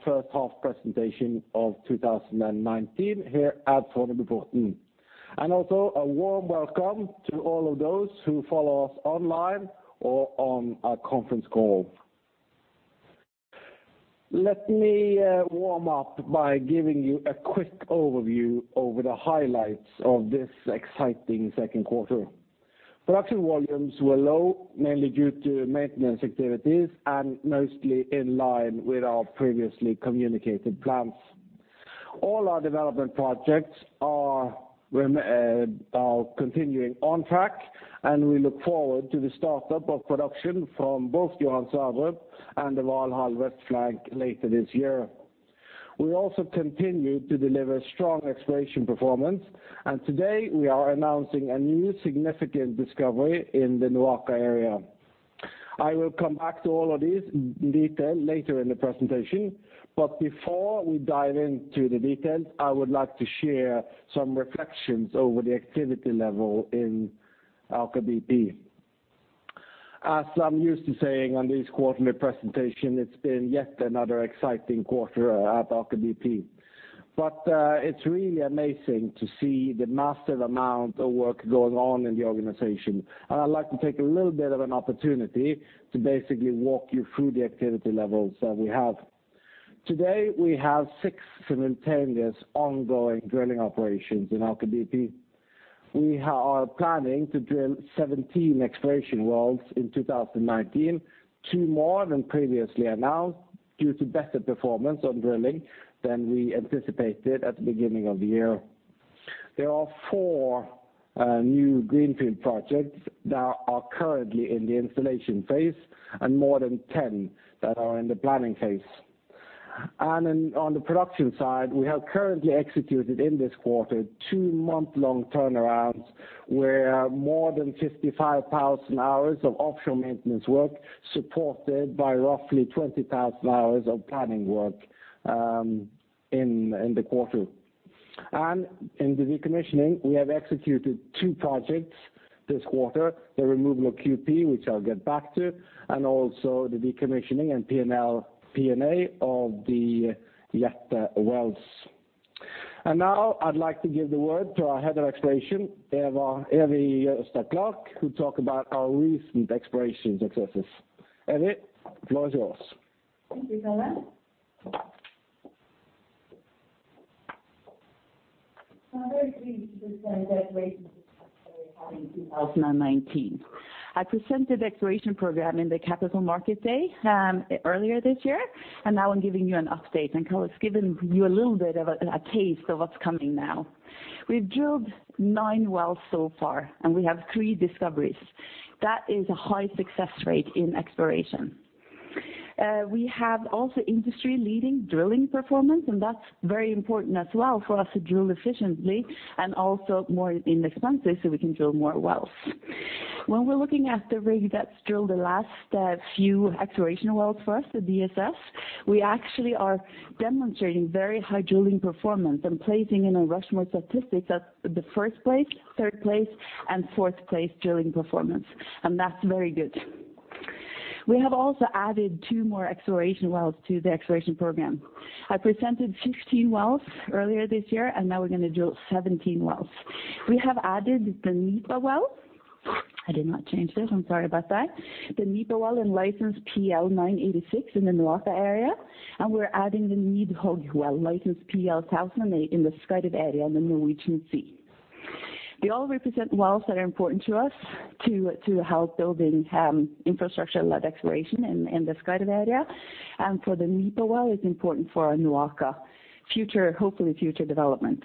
Second quarter and first half presentation of 2019 here at Fornebuporten. Also a warm welcome to all of those who follow us online or on our conference call. Let me warm up by giving you a quick overview over the highlights of this exciting second quarter. Production volumes were low, mainly due to maintenance activities and mostly in line with our previously communicated plans. All our development projects are continuing on track, and we look forward to the startup of production from both Johan Sverdrup and the Valhall West Flank later this year. We also continue to deliver strong exploration performance, and today we are announcing a new significant discovery in the NOAKA area. I will come back to all of this in detail later in the presentation, but before we dive into the details, I would like to share some reflections on the activity level in Aker BP. As I'm used to saying on these quarterly presentation, it's been yet another exciting quarter at Aker BP. It's really amazing to see the massive amount of work going on in the organization, and I'd like to take a little bit of an opportunity to basically walk you through the activity levels that we have. Today, we have six simultaneous ongoing drilling operations in Aker BP. We are planning to drill 17 exploration wells in 2019, two more than previously announced, due to better performance on drilling than we anticipated at the beginning of the year. There are four new greenfield projects that are currently in the installation phase and more than 10 that are in the planning phase. On the production side, we have currently executed in this quarter two month-long turnarounds where more than 55,000 hours of offshore maintenance work supported by roughly 20,000 hours of planning work in the quarter. In the decommissioning, we have executed two projects this quarter, the removal of QP, which I'll get back to, and also the decommissioning and P&A of the Jette wells. Now I'd like to give the word to our Head of Exploration, Evy Glørstad-Clark, who talk about our recent exploration successes. Evy, the floor is yours. Thank you, Karl. I'm very pleased to present the exploration success that we've had in 2019. I presented the exploration program in the capital market day earlier this year, and now I'm giving you an update. Karl has given you a little bit of a taste of what's coming now. We've drilled nine wells so far, and we have three discoveries. That is a high success rate in exploration. We have also industry-leading drilling performance, and that's very important as well for us to drill efficiently and also more inexpensive so we can drill more wells. When we're looking at the rig that's drilled the last few exploration wells for us, the DSS, we actually are demonstrating very high drilling performance and placing in a Rushmore Reviews statistics at the first place, third place, and fourth place drilling performance. That's very good. We have also added two more exploration wells to the exploration program. I presented 16 wells earlier this year, and now we're going to drill 17 wells. We have added the Nipa well. I did not change this. I'm sorry about that. The Nipa well in license PL 986 in the NOAKA area, and we're adding the Nidhøgg well, license PL 1008 in the Skarv area in the Norwegian Sea. They all represent wells that are important to us to help building infrastructure-led exploration in the Skarv area. For the Nipa well, it's important for our NOAKA hopefully future development.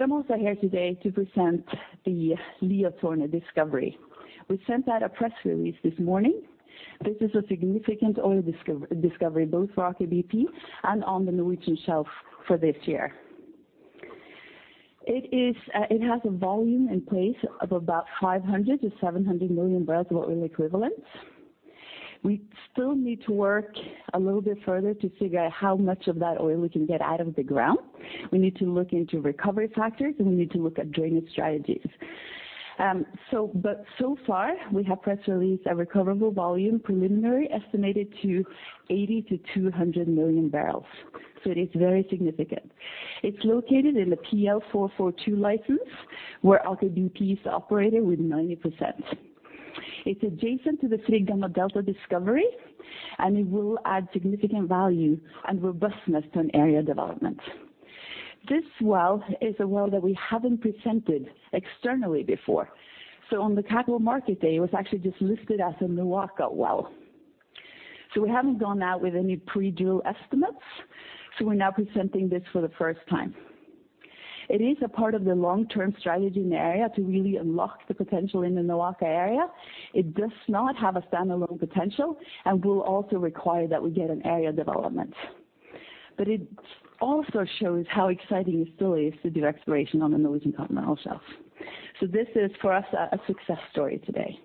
I'm also here today to present the Liatårnet discovery. We sent out a press release this morning. This is a significant oil discovery both for Aker BP and on the Norwegian Shelf for this year. It has a volume in place of about 500 million bbl of oil equivalent-700 million bbl of oil equivalent. We still need to work a little bit further to figure out how much of that oil we can get out of the ground. We need to look into recovery factors, and we need to look at drainage strategies. So far we have press released a recoverable volume preliminary estimated to 80 million bbl-200 million bbl. It is very significant. It's located in the PL 442 license, where Aker BP is the operator with 90%. It's adjacent to the Frigg Delta discovery, it will add significant value and robustness to an area development. This well is a well that we haven't presented externally before. On the capital market day, it was actually just listed as a NOAKA well. We haven't gone out with any pre-drill estimates. We're now presenting this for the first time. It is a part of the long-term strategy in the area to really unlock the potential in the NOAKA area. It does not have a standalone potential and will also require that we get an area development. It also shows how exciting it still is to do exploration on the Norwegian Continental Shelf. This is for us, a success story today.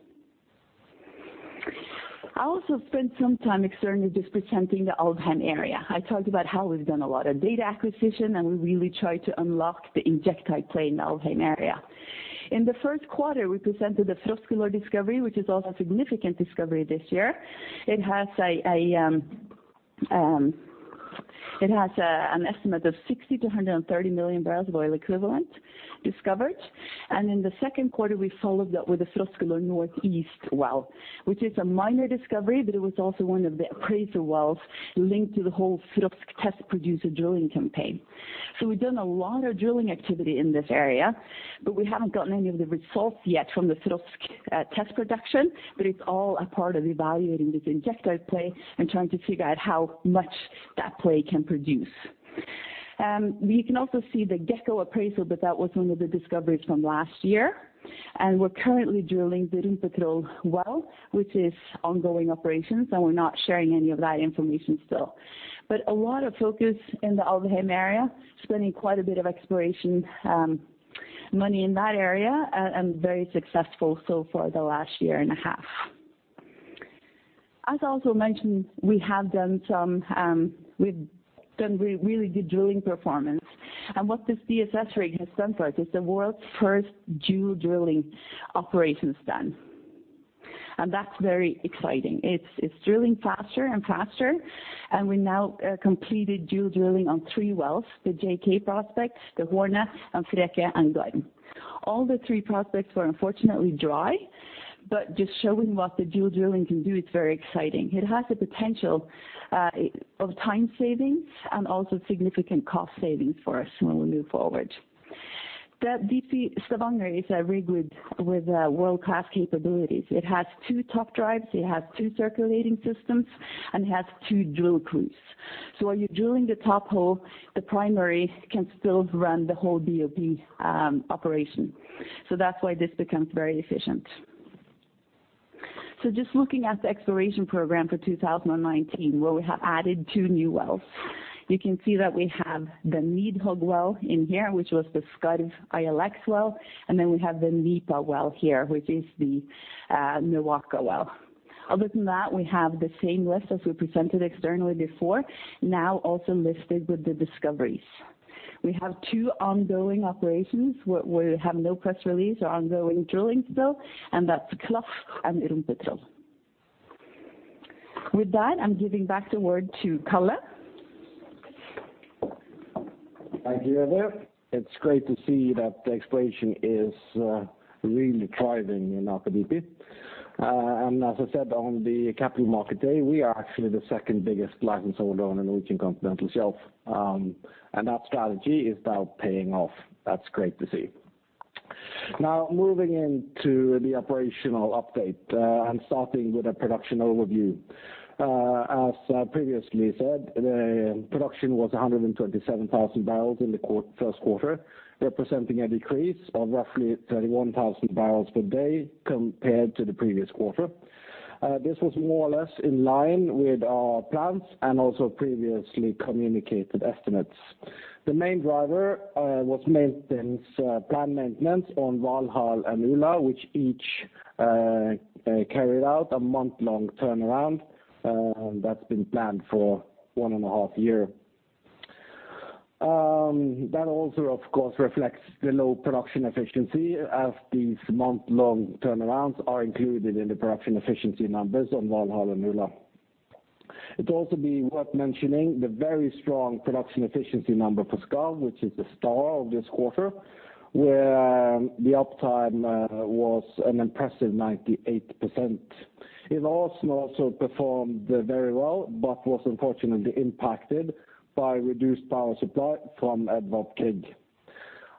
I also spent some time externally just presenting the Alvheim area. I talked about how we've done a lot of data acquisition, and we really tried to unlock the injectite play in the Alvheim area. In the first quarter, we presented the Froskelår discovery, which is also a significant discovery this year. It has an estimate of 60 million bbl of oil equivalent-130 million bbl of oil equivalent discovered. In the second quarter, we followed up with the Froskelår North East well, which is a minor discovery. It was also one of the appraiser wells linked to the whole Frosk test producer drilling campaign. We've done a lot of drilling activity in this area. We haven't gotten any of the results yet from the Frosk test production. It's all a part of evaluating this injectite play and trying to figure out how much that play can produce. We can also see the Gekko appraisal. That was one of the discoveries from last year. We're currently drilling the Rumpetroll well, which is ongoing operations. We're not sharing any of that information still. A lot of focus in the Alvheim area, spending quite a bit of exploration money in that area and very successful so far the last year and a half. As I also mentioned, we have done really good drilling performance. What this DSS rig has done for us, it's the world's first dual drilling operations done. That's very exciting. It's drilling faster and faster, and we now completed dual drilling on three wells, the JK prospect, the Hornet, and Freke and Garm. All the three prospects were unfortunately dry, just showing what the dual drilling can do, it's very exciting. It has the potential of time savings and also significant cost savings for us when we move forward. The Deepsea Stavanger is a rig with world-class capabilities. It has two top drives, it has two circulating systems, and it has two drill crews. While you're drilling the top hole, the primary can still run the whole BOP operation. That's why this becomes very efficient. Just looking at the exploration program for 2019, where we have added two new wells. You can see that we have the Nidhøgg well in here, which was the Skarv ILX well, and then we have the Nipa well here, which is the NOAKA well. Other than that, we have the same list as we presented externally before, now also listed with the discoveries. We have two ongoing operations. We have no press release or ongoing drillings though, that's Klaff and Rumpetroll. With that, I'm giving back the word to Karl. Thank you, Evy. It's great to see that the exploration is really thriving in Aker BP. As I said on the capital market day, we are actually the second-biggest license holder on the Norwegian Continental Shelf. That strategy is now paying off. That's great to see. Now moving into the operational update, and starting with a production overview. As previously said, the production was 127,000 bbl in the first quarter, representing a decrease of roughly 31,000 bpd compared to the previous quarter. This was more or less in line with our plans and also previously communicated estimates. The main driver was planned maintenance on Valhall and Ula, which each carried out a month-long turnaround. That's been planned for one and a half year. That also of course reflects the low production efficiency as these month-long turnarounds are included in the production efficiency numbers on Valhall and Ula. It also be worth mentioning the very strong production efficiency number for Skarv which is the star of this quarter, where the uptime was an impressive 98%. It also performed very well, was unfortunately impacted by reduced power supply from Edvard Grieg.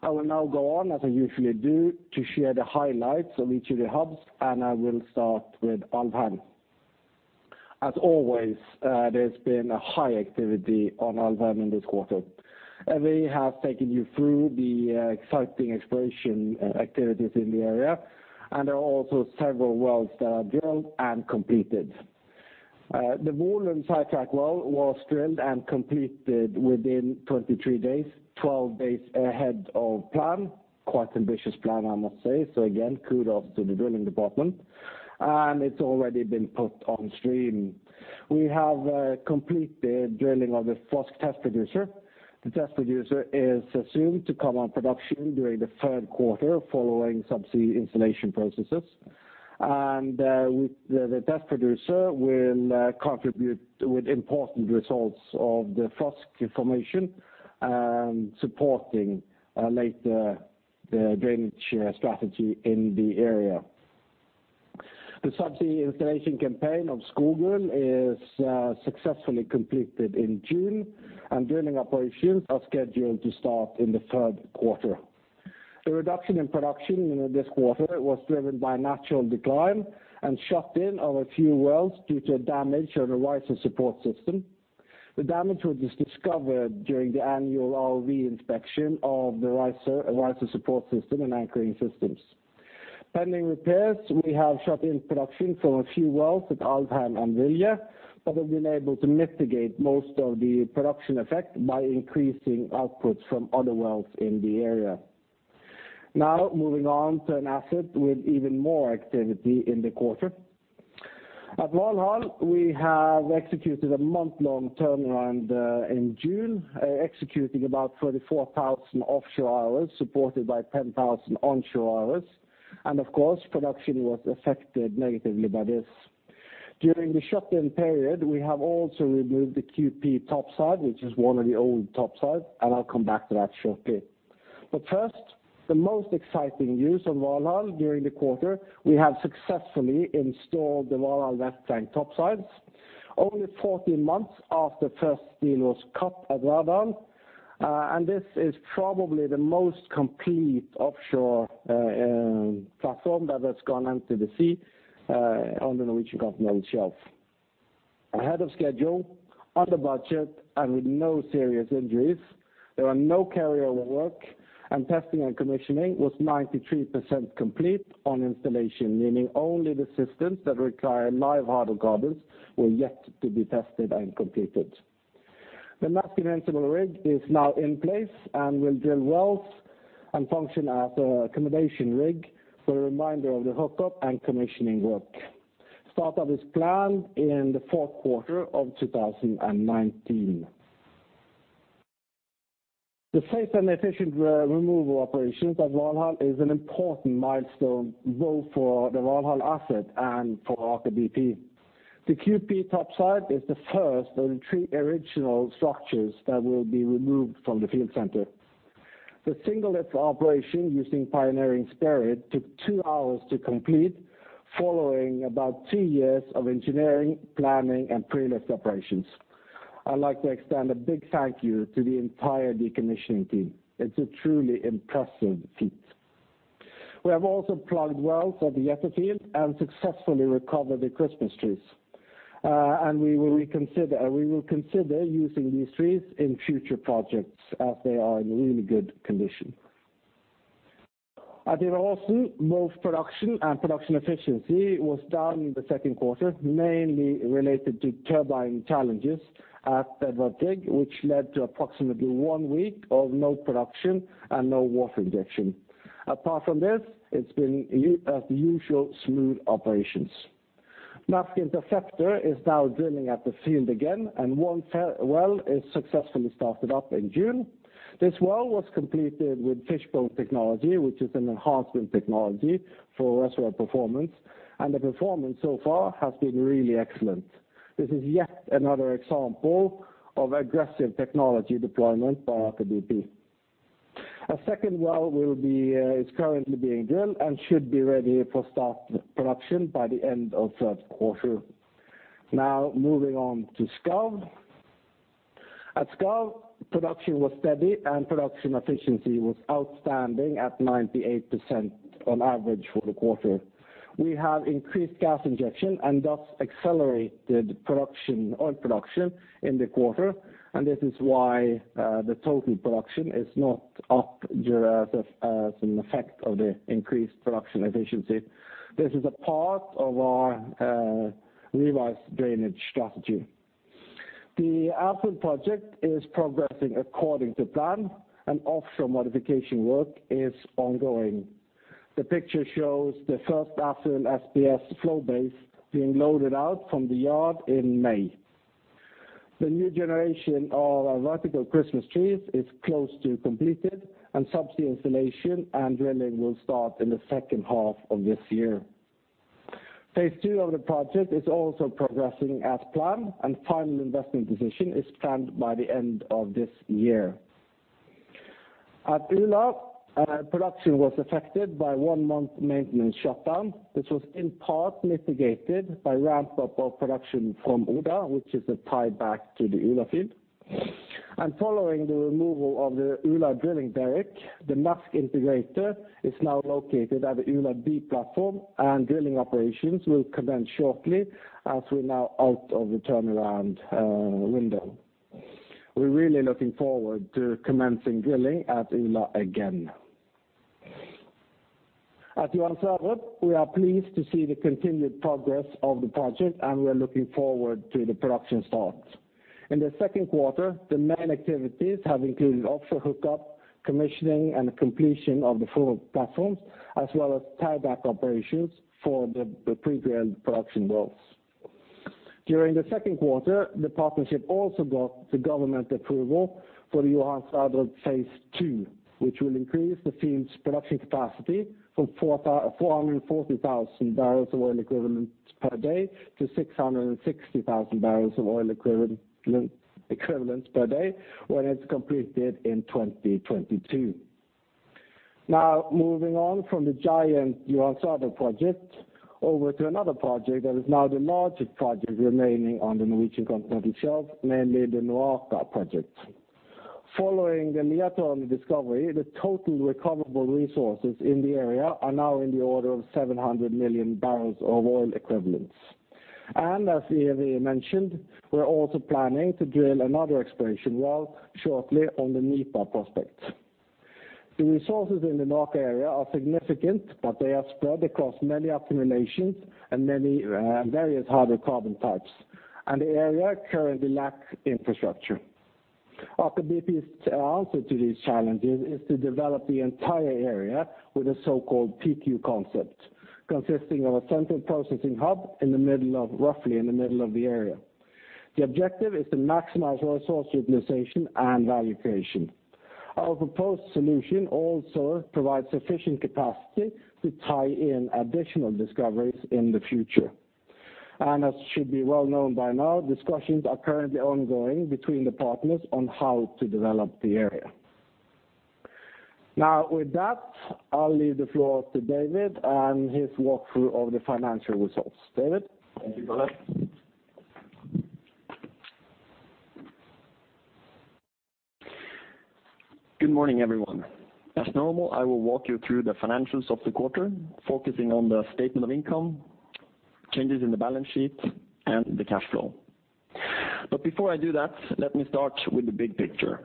I will now go on, as I usually do, to share the highlights of each of the hubs, and I will start with Alvheim. As always, there's been a high activity on Alvheim in this quarter. Evy has taken you through the exciting exploration activities in the area, and there are also several wells that are drilled and completed. The Volund sidetrack well was drilled and completed within 23 days, 12 days ahead of plan. Quite ambitious plan, I must say. Again, kudos to the drilling department. It's already been put on stream. We have completed drilling of the Frosk test producer. The test producer is soon to come on production during the third quarter following subsea installation processes. The test producer will contribute with important results of the Frosk information, supporting later the drainage strategy in the area. The subsea installation campaign of Skogul is successfully completed in June, and drilling operations are scheduled to start in the third quarter. The reduction in production in this quarter was driven by natural decline and shut-in of a few wells due to damage on the riser support system. The damage was discovered during the annual RV inspection of the riser support system and anchoring systems. Pending repairs, we have shut in production from a few wells at Aldan and Vilje, have been able to mitigate most of the production effect by increasing outputs from other wells in the area. Moving on to an asset with even more activity in the quarter. At Valhall, we have executed a month-long turnaround in June, executing about 34,000 offshore hours supported by 10,000 onshore hours. Of course, production was affected negatively by this. During the shutdown period, we have also removed the QP topside, which is one of the old topsides, I'll come back to that shortly. First, the most exciting news on Valhall during the quarter, we have successfully installed the Valhall West Tank topsides, only 14 months after first steel was cut at Verdal. This is probably the most complete offshore platform that has gone into the sea on the Norwegian continental shelf. Ahead of schedule, under budget, with no serious injuries. There are no carryover work, testing and commissioning was 93% complete on installation, meaning only the systems that require live hardware gardens were yet to be tested and completed. The Maersk Invincible rig is now in place, will drill wells and function as an accommodation rig for the remainder of the hookup and commissioning work. Start-up is planned in the fourth quarter of 2019. The safe and efficient removal operations at Valhall is an important milestone, both for the Valhall asset and for Aker BP. The QP topside is the first of the three original structures that will be removed from the field center. The single lift operation using Pioneering Spirit took two hours to complete, following about two years of engineering, planning, pre-lift operations. I'd like to extend a big thank you to the entire decommissioning team. It's a truly impressive feat. We have also plugged wells at the Oda field and successfully recovered the Christmas trees. We will consider using these trees in future projects as they are in really good condition. At Ivar Aasen, both production and production efficiency was down in the second quarter, mainly related to turbine challenges at Edvard Grieg, which led to approximately one week of no production and no water injection. Apart from this, it's been the usual smooth operations. Maersk Interceptor is now drilling at the field again, one well is successfully started up in June. This well was completed with Fishbone technology, which is an enhancement technology for reservoir performance, and the performance so far has been really excellent. This is yet another example of aggressive technology deployment by Aker BP. A second well is currently being drilled and should be ready for start production by the end of third quarter. Moving on to Skarv. At Skarv, production was steady and production efficiency was outstanding at 98% on average for the quarter. We have increased gas injection and thus accelerated oil production in the quarter, and this is why the total production is not up as an effect of the increased production efficiency. This is a part of our revised drainage strategy. The Ærfugl project is progressing according to plan, and offshore modification work is ongoing. The picture shows the first Ærfugl SBS flow base being loaded out from the yard in May. The new generation of our vertical Christmas trees is close to completed and subsea installation and drilling will start in the second half of this year. Phase two of the project is also progressing as planned, and final investment decision is planned by the end of this year. At Ula, production was affected by one-month maintenance shutdown. This was in part mitigated by ramp-up of production from Oda, which is a tie-back to the Ula field. Following the removal of the Ula drilling derrick, the Maersk Integrator is now located at the Ula B platform and drilling operations will commence shortly as we're now out of the turnaround window. We're really looking forward to commencing drilling at Ula again. At Johan Sverdrup, we are pleased to see the continued progress of the project, and we are looking forward to the production start. In the second quarter, the main activities have included offshore hookup, commissioning, and completion of the four platforms, as well as tieback operations for the pre-drilled production wells. During the second quarter, the partnership also got the government approval for the Johan Sverdrup phase two, which will increase the field's production capacity from 440,000 BOE per day to 660,000 BOE per day when it's completed in 2022. Moving on from the giant Johan Sverdrup project. Over to another project that is now the largest project remaining on the Norwegian continental shelf, namely the NOAKA project. Following the Liatårnet discovery, the total recoverable resources in the area are now in the order of 700 million BOE. As we mentioned, we're also planning to drill another exploration well shortly on the Nipa prospect. The resources in the NOAKA area are significant, but they are spread across many accumulations and many various hydrocarbon types, and the area currently lacks infrastructure. Aker BP's answer to these challenges is to develop the entire area with a so-called PQ concept, consisting of a central processing hub roughly in the middle of the area. The objective is to maximize resource utilization and value creation. Our proposed solution also provides sufficient capacity to tie in additional discoveries in the future. As should be well-known by now, discussions are currently ongoing between the partners on how to develop the area. With that, I'll leave the floor to David and his walkthrough of the financial results. David? Thank you, Karl. Good morning, everyone. As normal, I will walk you through the financials of the quarter, focusing on the statement of income, changes in the balance sheet, and the cash flow. Before I do that, let me start with the big picture.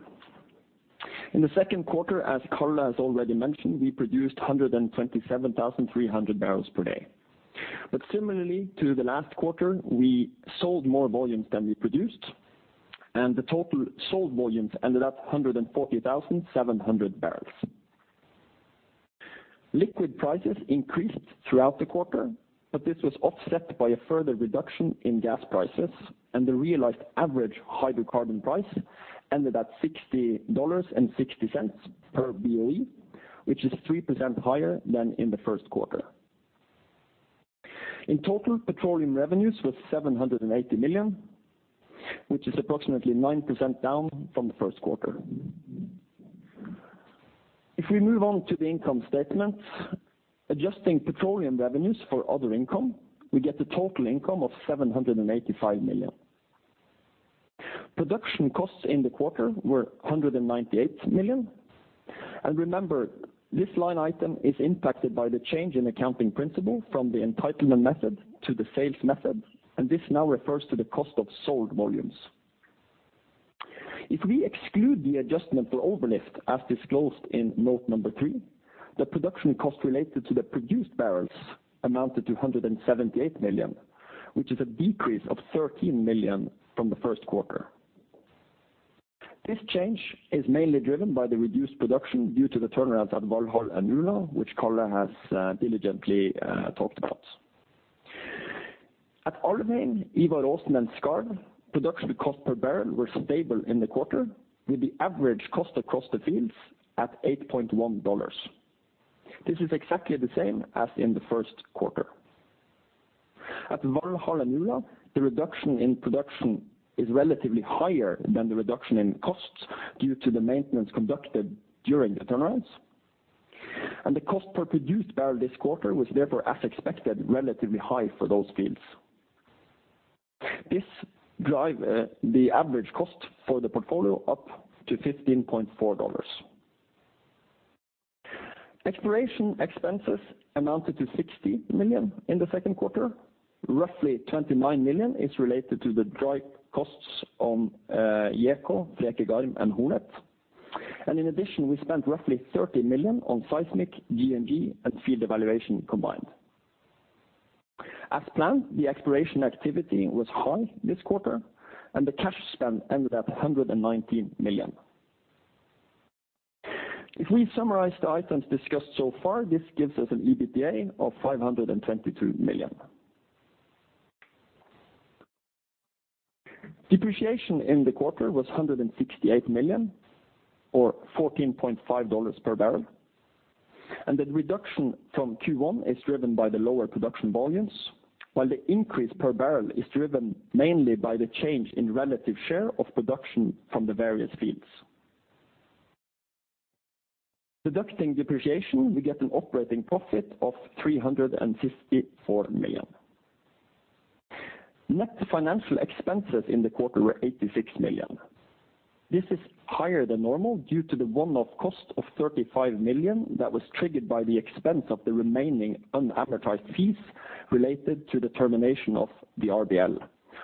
In the second quarter, as Karl has already mentioned, we produced 127,300 bpd. Similarly to the last quarter, we sold more volumes than we produced, and the total sold volumes ended at 140,700 bbl. Liquid prices increased throughout the quarter, but this was offset by a further reduction in gas prices, and the realized average hydrocarbon price ended at $60.60 per BOE, which is 3% higher than in the first quarter. In total, petroleum revenues was $780 million, which is approximately 9% down from the first quarter. If we move on to the income statement, adjusting petroleum revenues for other income, we get a total income of $785 million. Production costs in the quarter were $198 million. Remember, this line item is impacted by the change in accounting principle from the entitlement method to the sales method, and this now refers to the cost of sold volumes. If we exclude the adjustment for overlift, as disclosed in note number three, the production cost related to the produced barrels amounted to $178 million, which is a decrease of $13 million from the first quarter. This change is mainly driven by the reduced production due to the turnarounds at Valhall and Ula, which Karl has diligently talked about. At Alvheim, Ivar Aasen, and Skarv, production cost per barrel were stable in the quarter with the average cost across the fields at $8.10. This is exactly the same as in the first quarter. At Valhall and Ula, the reduction in production is relatively higher than the reduction in costs due to the maintenance conducted during the turnarounds. The cost per produced barrel this quarter was therefore, as expected, relatively high for those fields. This drive the average cost for the portfolio up to $15.40. Exploration expenses amounted to $60 million in the second quarter. Roughly $29 million is related to the dry costs on JK, Freke-Garm, and Hornet. In addition, we spent roughly $30 million on seismic, G&G, and field evaluation combined. As planned, the exploration activity was high this quarter, and the cash spend ended at $119 million. If we summarize the items discussed so far, this gives us an EBITDA of $522 million. Depreciation in the quarter was $168 million, or $14.50 per barrel. The reduction from Q1 is driven by the lower production volumes, while the increase per barrel is driven mainly by the change in relative share of production from the various fields. Deducting depreciation, we get an operating profit of $354 million. Net financial expenses in the quarter were $86 million. This is higher than normal due to the one-off cost of $35 million that was triggered by the expense of the remaining unadvertised fees related to the termination of the RBL,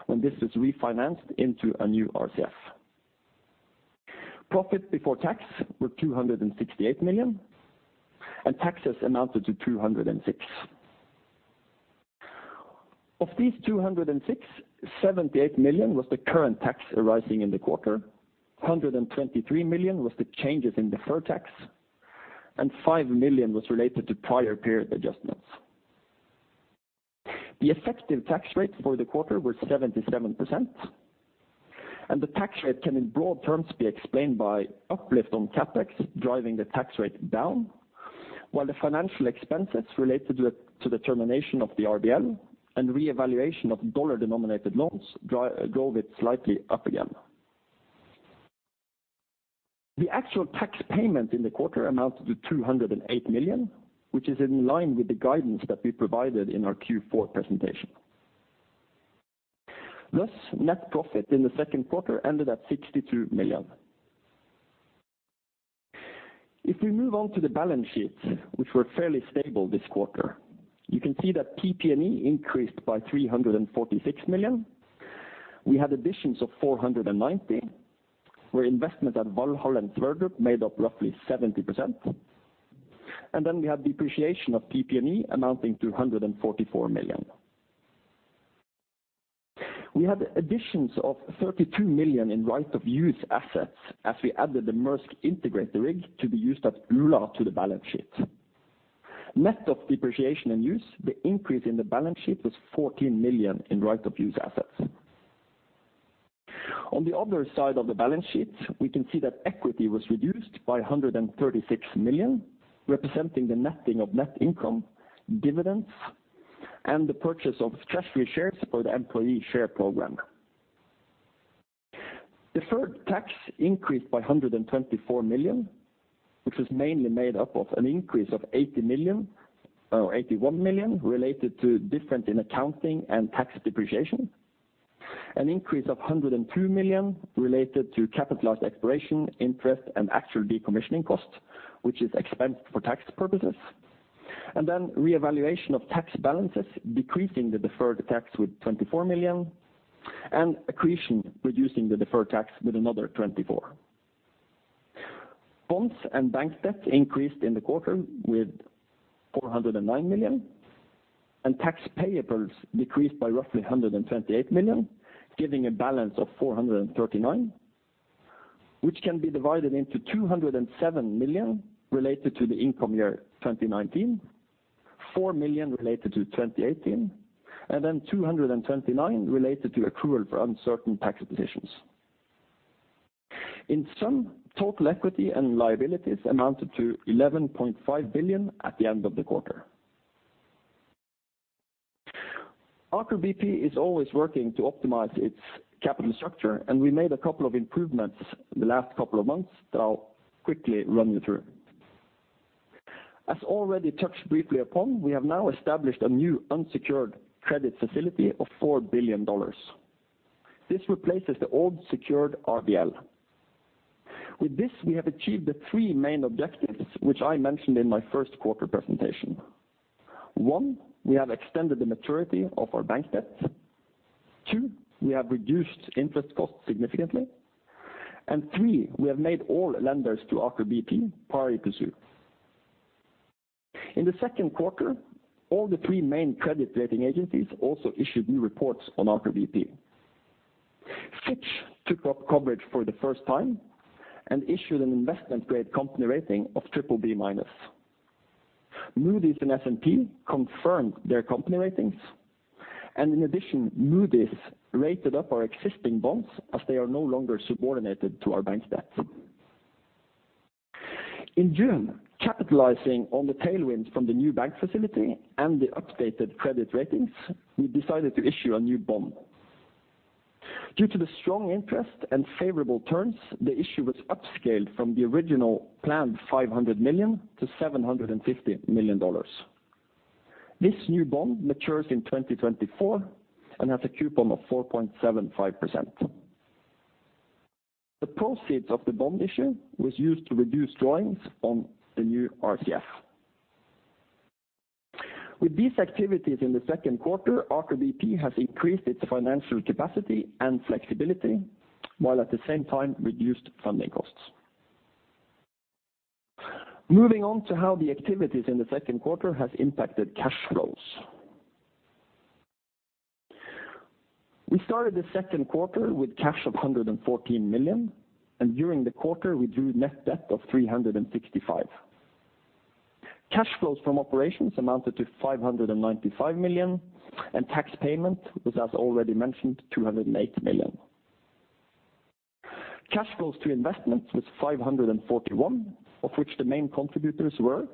when this was refinanced into a new RCF. Profit before tax were $268 million, and taxes amounted to $206 million. Of these $206 million, $78 million was the current tax arising in the quarter, $123 million was the changes in the surtax, and $5 million was related to prior period adjustments. The effective tax rates for the quarter were 77%. The tax rate can in broad terms be explained by uplift on CapEx driving the tax rate down, while the financial expenses related to the termination of the RBL and reevaluation of dollar-denominated loans drove it slightly up again. The actual tax payment in the quarter amounted to $208 million, which is in line with the guidance that we provided in our Q4 presentation. Net profit in the second quarter ended at $62 million. We move on to the balance sheets, which were fairly stable this quarter. You can see that PP&E increased by $346 million. We had additions of $490 million, where investment at Valhall and Froskelår made up roughly 70%. We have depreciation of PP&E amounting to $144 million. We had additions of $32 million in right-of-use assets as we added the Maersk Integrator rig to be used at Ula to the balance sheet. Net of depreciation and use, the increase in the balance sheet was $14 million in right-of-use assets. On the other side of the balance sheet, we can see that equity was reduced by $136 million, representing the netting of net income, dividends, and the purchase of treasury shares for the employee share program. Deferred tax increased by $124 million, which was mainly made up of an increase of $81 million related to different in accounting and tax depreciation. An increase of $102 million related to capitalized exploration interest and actual decommissioning costs, which is expensed for tax purposes. Reevaluation of tax balances decreasing the deferred tax with $24 million, and accretion reducing the deferred tax with another $24 million. Bonds and bank debt increased in the quarter with $409 million. Tax payables decreased by roughly $128 million, giving a balance of $439 million. This can be divided into $207 million related to the income year 2019, $4 million related to 2018, and $229 million related to accrual for uncertain tax positions. In sum, total equity and liabilities amounted to $11.5 billion at the end of the quarter. Aker BP is always working to optimize its capital structure, and we made a couple of improvements the last couple of months that I'll quickly run you through. As already touched briefly upon, we have now established a new unsecured credit facility of $4 billion. This replaces the old secured RBL. With this, we have achieved the three main objectives, which I mentioned in my first quarter presentation. One, we have extended the maturity of our bank debt. Two, we have reduced interest costs significantly. Three, we have made all lenders to Aker BP pari passu. In the second quarter, all the three main credit rating agencies also issued new reports on Aker BP. Fitch took up coverage for the first time and issued an investment-grade company rating of BBB-. Moody's and S&P confirmed their company ratings. In addition, Moody's rated up our existing bonds as they are no longer subordinated to our bank debt. In June, capitalizing on the tailwind from the new bank facility and the updated credit ratings, we decided to issue a new bond. Due to the strong interest and favorable terms, the issue was upscaled from the original planned $500 million to $750 million. This new bond matures in 2024 and has a coupon of 4.75%. The proceeds of the bond issue was used to reduce drawings on the new RCF. With these activities in the second quarter, Aker BP has increased its financial capacity and flexibility, while at the same time reduced funding costs. Moving on to how the activities in the second quarter has impacted cash flows. We started the second quarter with cash of $114 million, and during the quarter, we drew net debt of $365 million. Cash flows from operations amounted to $595 million, and tax payment was, as already mentioned, $208 million. Cash flows to investments was $541 million, of which the main contributors were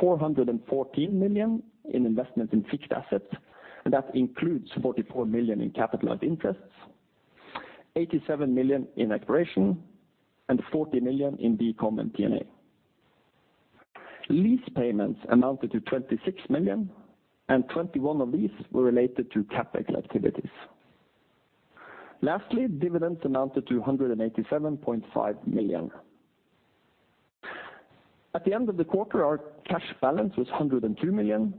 $414 million in investment in fixed assets, and that includes $44 million in capitalized interests, $87 million in exploration, and $40 million in the common P&A. Lease payments amounted to $26 million, and $21 million of these were related to CapEx activities. Lastly, dividends amounted to $187.5 million. At the end of the quarter, our cash balance was $102 million.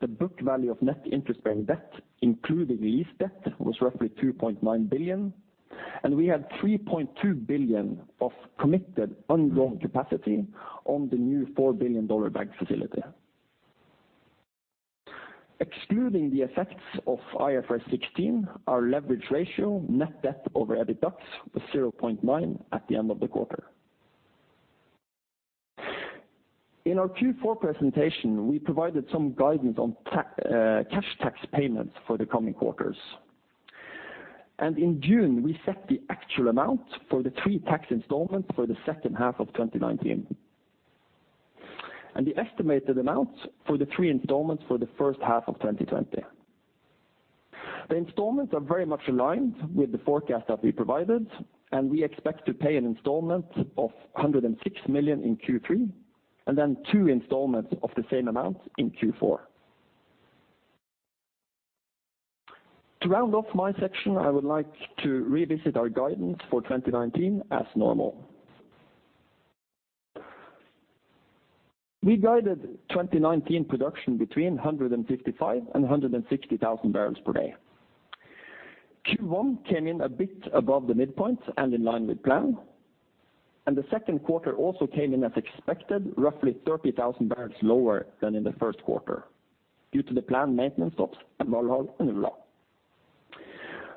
The book value of net interest-bearing debt, including lease debt, was roughly $2.9 billion, and we had $3.2 billion of committed undrawn capacity on the new $4 billion bank facility. Excluding the effects of IFRS 16, our leverage ratio, net debt over EBITDA, was 0.9 at the end of the quarter. In our Q4 presentation, we provided some guidance on cash tax payments for the coming quarters. In June, we set the actual amount for the three tax installments for the second half of 2019. The estimated amounts for the three installments for the first half of 2020. The installments are very much aligned with the forecast that we provided, and we expect to pay an installment of $106 million in Q3, and then two installments of the same amount in Q4. To round off my section, I would like to revisit our guidance for 2019 as normal. We guided 2019 production between 155,000 bpd and 160,000 bpd. Q1 came in a bit above the midpoint and in line with plan. The second quarter also came in as expected, roughly 30,000 bbl lower than in the first quarter due to the planned maintenance of Valhall and Ula.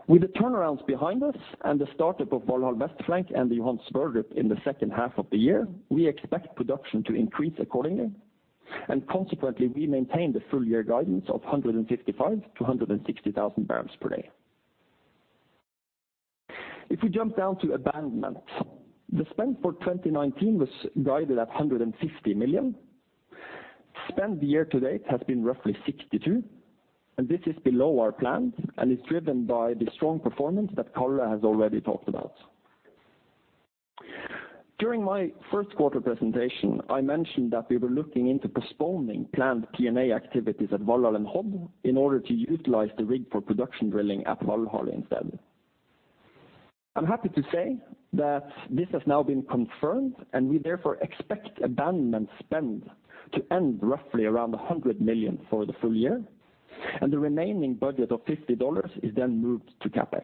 With the turnarounds behind us and the startup of Valhall West Flank and the Johan Sverdrup in the second half of the year, we expect production to increase accordingly. Consequently, we maintain the full-year guidance of 155,000 bpd to 160,000 bpd. If we jump down to abandonment, the spend for 2019 was guided at $150 million. Spend year-to-date has been roughly $62 million, and this is below our plan and is driven by the strong performance that Karl has already talked about. During my first quarter presentation, I mentioned that we were looking into postponing planned P&A activities at Valhall and Hod in order to utilize the rig for production drilling at Valhall instead. I'm happy to say that this has now been confirmed, and we therefore expect abandonment spend to end roughly around $100 million for the full year, and the remaining budget of $50 million is then moved to CapEx.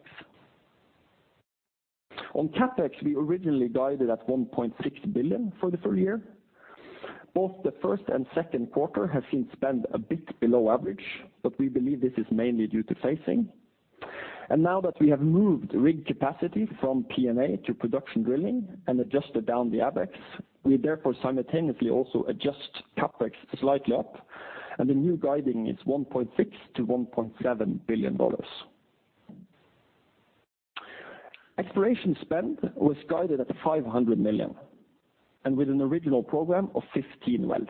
On CapEx, we originally guided at $1.6 billion for the full year. Both the first and second quarter have seen spend a bit below average, but we believe this is mainly due to phasing. Now that we have moved rig capacity from P&A to production drilling and adjusted down the ABEX, we therefore simultaneously also adjust CapEx slightly up, and the new guiding is $1.6 billion-$1.7 billion. Exploration spend was guided at $500 million and with an original program of 15 wells.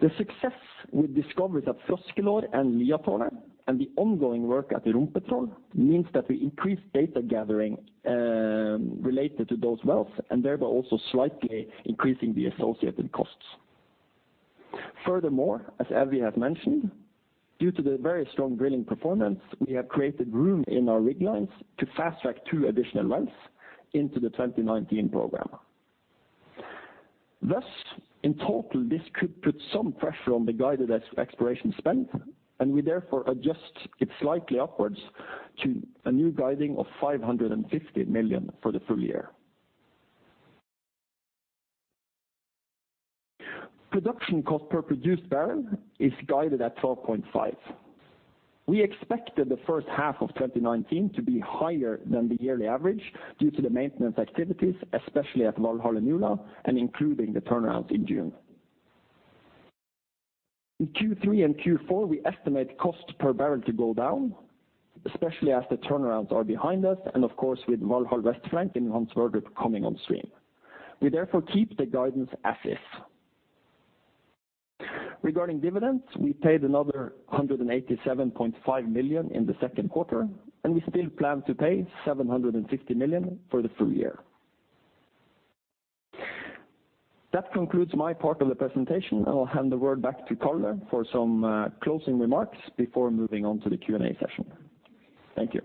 The success with discoveries at Froskelår and Liatårnet and the ongoing work at Rumpetroll means that we increase data gathering related to those wells and thereby also slightly increasing the associated costs. Furthermore, as Evy has mentioned, due to the very strong drilling performance, we have created room in our rig lines to fast-track two additional wells into the 2019 program. Thus, in total, this could put some pressure on the guided exploration spend, and we therefore adjust it slightly upwards to a new guiding of $550 million for the full year. Production cost per produced barrel is guided at $12.5. We expected the first half of 2019 to be higher than the yearly average due to the maintenance activities, especially at Valhall and Ula, and including the turnarounds in June. In Q3 and Q4, we estimate cost per barrel to go down, especially as the turnarounds are behind us, and of course, with Valhall West Flank and Johan Sverdrup coming on stream. We therefore keep the guidance as is. Regarding dividends, we paid another $187.5 million in the second quarter, and we still plan to pay $760 million for the full year. That concludes my part of the presentation. I will hand the word back to Karl for some closing remarks before moving on to the Q&A session. Thank you.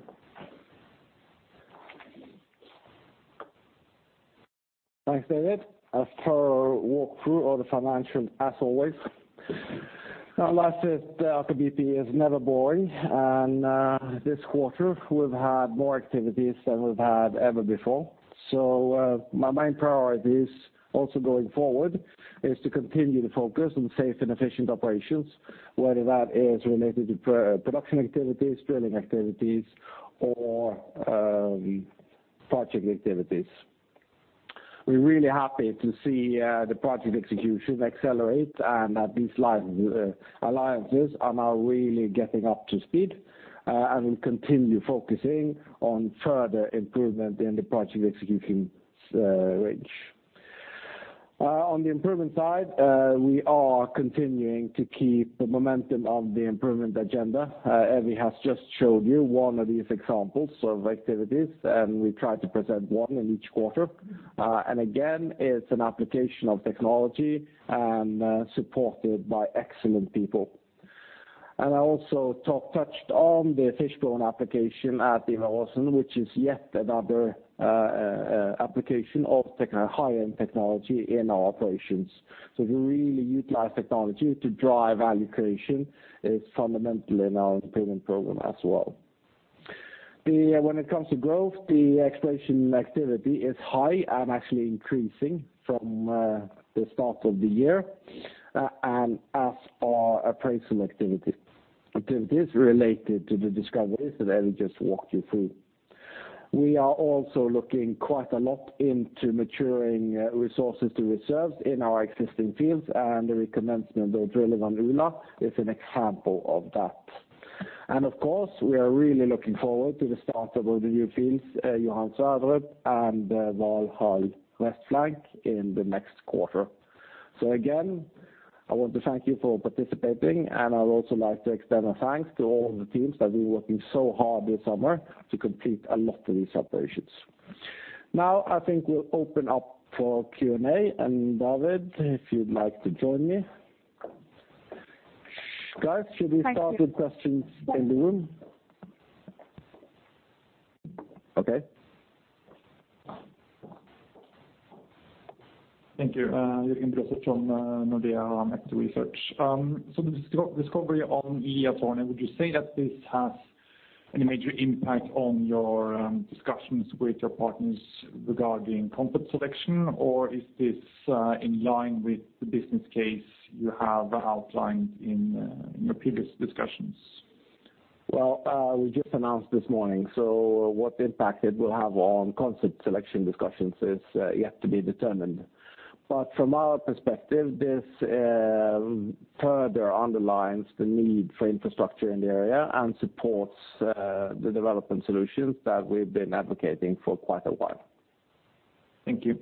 Thanks, David. A thorough walkthrough of the financials as always. Now, I said Aker BP is never boring, and this quarter we've had more activities than we've had ever before. My main priority is also going forward, is to continue to focus on safe and efficient operations, whether that is related to production activities, drilling activities, or project activities. We're really happy to see the project execution accelerate and that these alliances are now really getting up to speed. We'll continue focusing on further improvement in the project execution range. On the improvement side, we are continuing to keep the momentum of the improvement agenda. Evy has just showed you one of these examples of activities, and we try to present one in each quarter. Again, it's an application of technology and supported by excellent people. I also touched on the Fishbone application at Ivar Aasen, which is yet another application of high-end technology in our operations. We really utilize technology to drive value creation is fundamental in our improvement program as well. When it comes to growth, the exploration activity is high and actually increasing from the start of the year, and as are appraisal activities related to the discoveries that Evy just walked you through. We are also looking quite a lot into maturing resources to reserves in our existing fields, and the recommencement of drilling on Ula is an example of that. Of course, we are really looking forward to the start of our new fields, Johan Sverdrup and Valhall West Flank, in the next quarter. Again, I want to thank you for participating, and I would also like to extend our thanks to all of the teams that have been working so hard this summer to complete a lot of these operations. I think we'll open up for Q&A, and David, if you'd like to join me. Guys, should we start? Thank you with questions in the room? Okay. Thank you. Jørgen Bruaset from Nordea Markets Research. The discovery on Liatårnet, would you say that this has any major impact on your discussions with your partners regarding concept selection, or is this in line with the business case you have outlined in your previous discussions? We just announced this morning, what impact it will have on concept selection discussions is yet to be determined. From our perspective, this further underlines the need for infrastructure in the area and supports the development solutions that we've been advocating for quite a while. Thank you.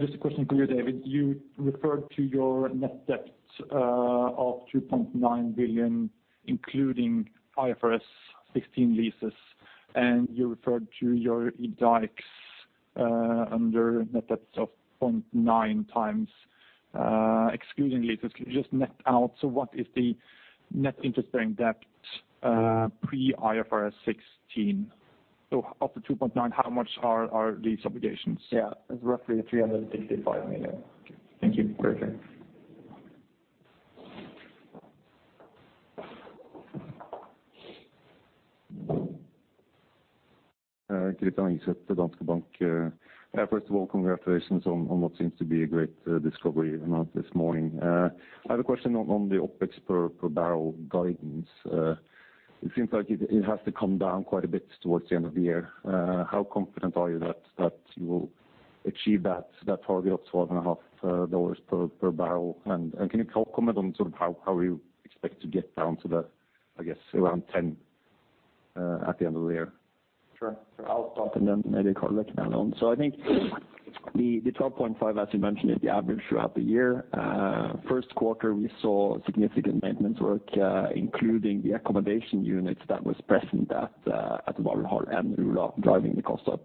Just a question for you, David. You referred to your net debt of $2.9 billion, including IFRS 16 leases, you referred to your EBITDAX under net debt of 0.9x excluding leases. Can you just net out, what is the net interest-bearing debt pre IFRS 16? Of the $2.9, how much are these obligations? It's roughly $365 million. Thank you. Okay. Christian Yggeseth from Danske Bank. First of all, congratulations on what seems to be a great discovery announced this morning. I have a question on the OpEx per barrel guidance. It seems like it has to come down quite a bit towards the end of the year. How confident are you that you will achieve that target of $12.50 per barrel? Can you comment on how you expect to get down to the, I guess, around $10 at the end of the year? Sure. I'll start. Then maybe Karl can add on. I think the $12.5, as you mentioned, is the average throughout the year. First quarter, we saw significant maintenance work, including the accommodation units that was present at Valhall and Ula driving the cost up.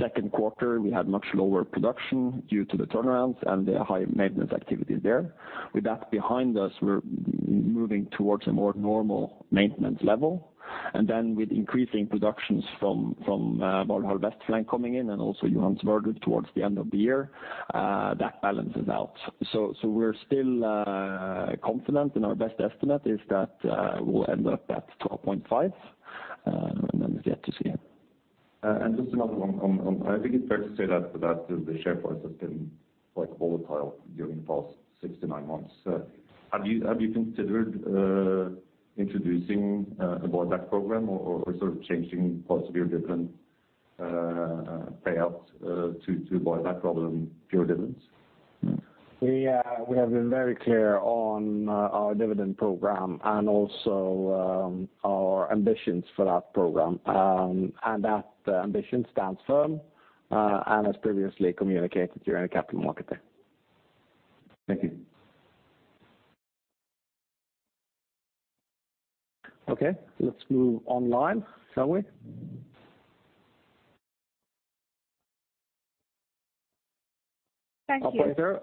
Second quarter, we had much lower production due to the turnarounds and the high maintenance activity there. With that behind us, we're moving towards a more normal maintenance level. Then with increasing productions from Valhall West Flank coming in and also Johan Sverdrup towards the end of the year, that balances out. We're still confident and our best estimate is that we'll end up at $12.5. Then we've yet to see. Just another one on, I think it's fair to say that the share price has been quite volatile during the past six to nine months. Have you considered introducing a buyback program or changing parts of your dividend payout to buyback program pure dividends? We have been very clear on our dividend program and also our ambitions for that program. That ambition stands firm, as previously communicated during the capital market day. Thank you. Okay, let's move online, shall we? Thank you. Operator-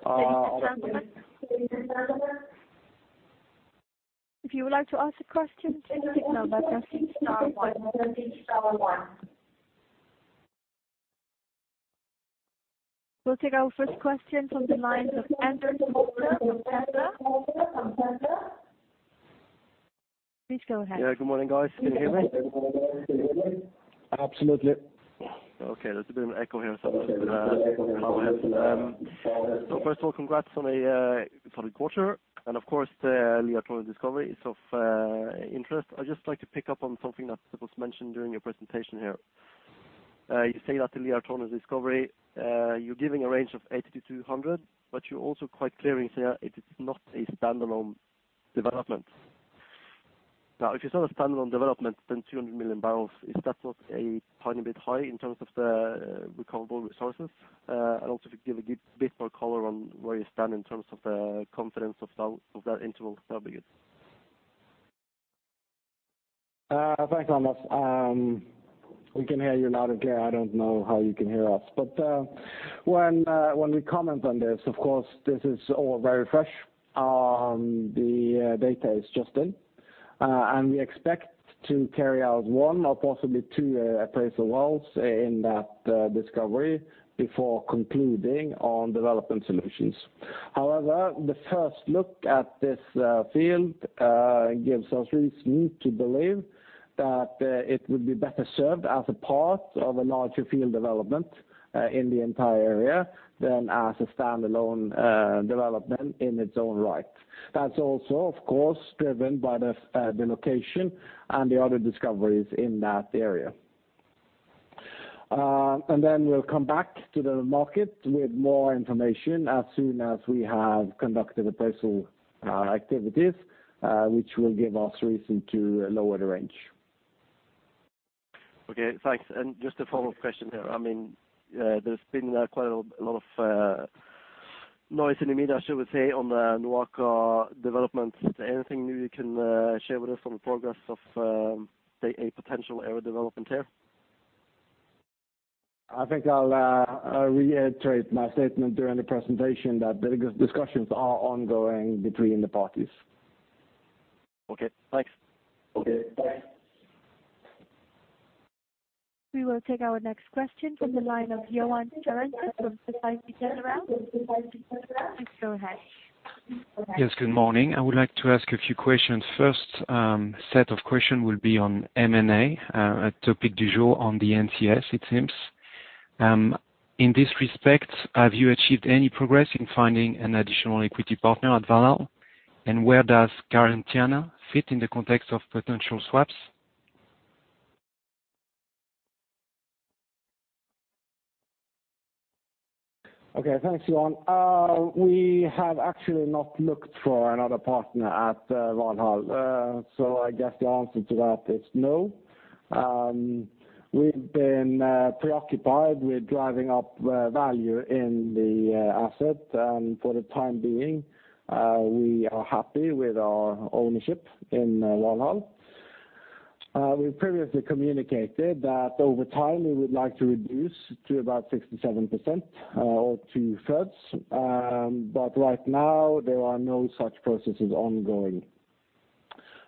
If you would like to ask a question, please signal by pressing star one. We'll take our first question from the lines of Anders Holte from Kepler. Please go ahead. Yeah, good morning, guys. Can you hear me? Absolutely. Okay, there's a bit of an echo here, I'll go ahead. First of all, congrats on a solid quarter, and of course, the Liatårnet discovery is of interest. I'd just like to pick up on something that was mentioned during your presentation here. You say that the Liatårnet discovery, you're giving a range of 80 bbl-200 bbl, but you're also quite clear in saying that it is not a standalone development. If it's not a standalone development, 200 million bbl, is that not a tiny bit high in terms of the recoverable resources? Also, if you give a bit more color on where you stand in terms of the confidence of that interval, that'd be good. Thanks, Anders. We can hear you loud and clear. I don't know how you can hear us. When we comment on this, of course, this is all very fresh. The data is just in. We expect to carry out one or possibly two appraisal wells in that discovery before concluding on development solutions. However, the first look at this field gives us reason to believe that it would be better served as a part of a larger field development in the entire area than as a standalone development in its own right. That's also, of course, driven by the location and the other discoveries in that area. We'll come back to the market with more information as soon as we have conducted the disposal activities, which will give us reason to lower the range. Okay, thanks. Just a follow-up question there. There's been quite a lot of noise in the media, should we say, on the NOAKA development. Is there anything new you can share with us on the progress of, say, a potential area development here? I think I'll reiterate my statement during the presentation that discussions are ongoing between the parties. Okay, thanks. Okay, bye. We will take our next question from the line of Yoann Charenton from Societe Generale. Please go ahead. Yes, good morning. I would like to ask a few questions. First set of questions will be on M&A, a topic du jour on the NCS, it seems. In this respect, have you achieved any progress in finding an additional equity partner at Valhall? Where does Garantiana fit in the context of potential swaps? Okay, thanks, Yoann. We have actually not looked for another partner at Valhall. I guess the answer to that is no. We've been preoccupied with driving up value in the asset. For the time being, we are happy with our ownership in Valhall. We've previously communicated that over time, we would like to reduce to about 67% or 2/3. Right now, there are no such processes ongoing.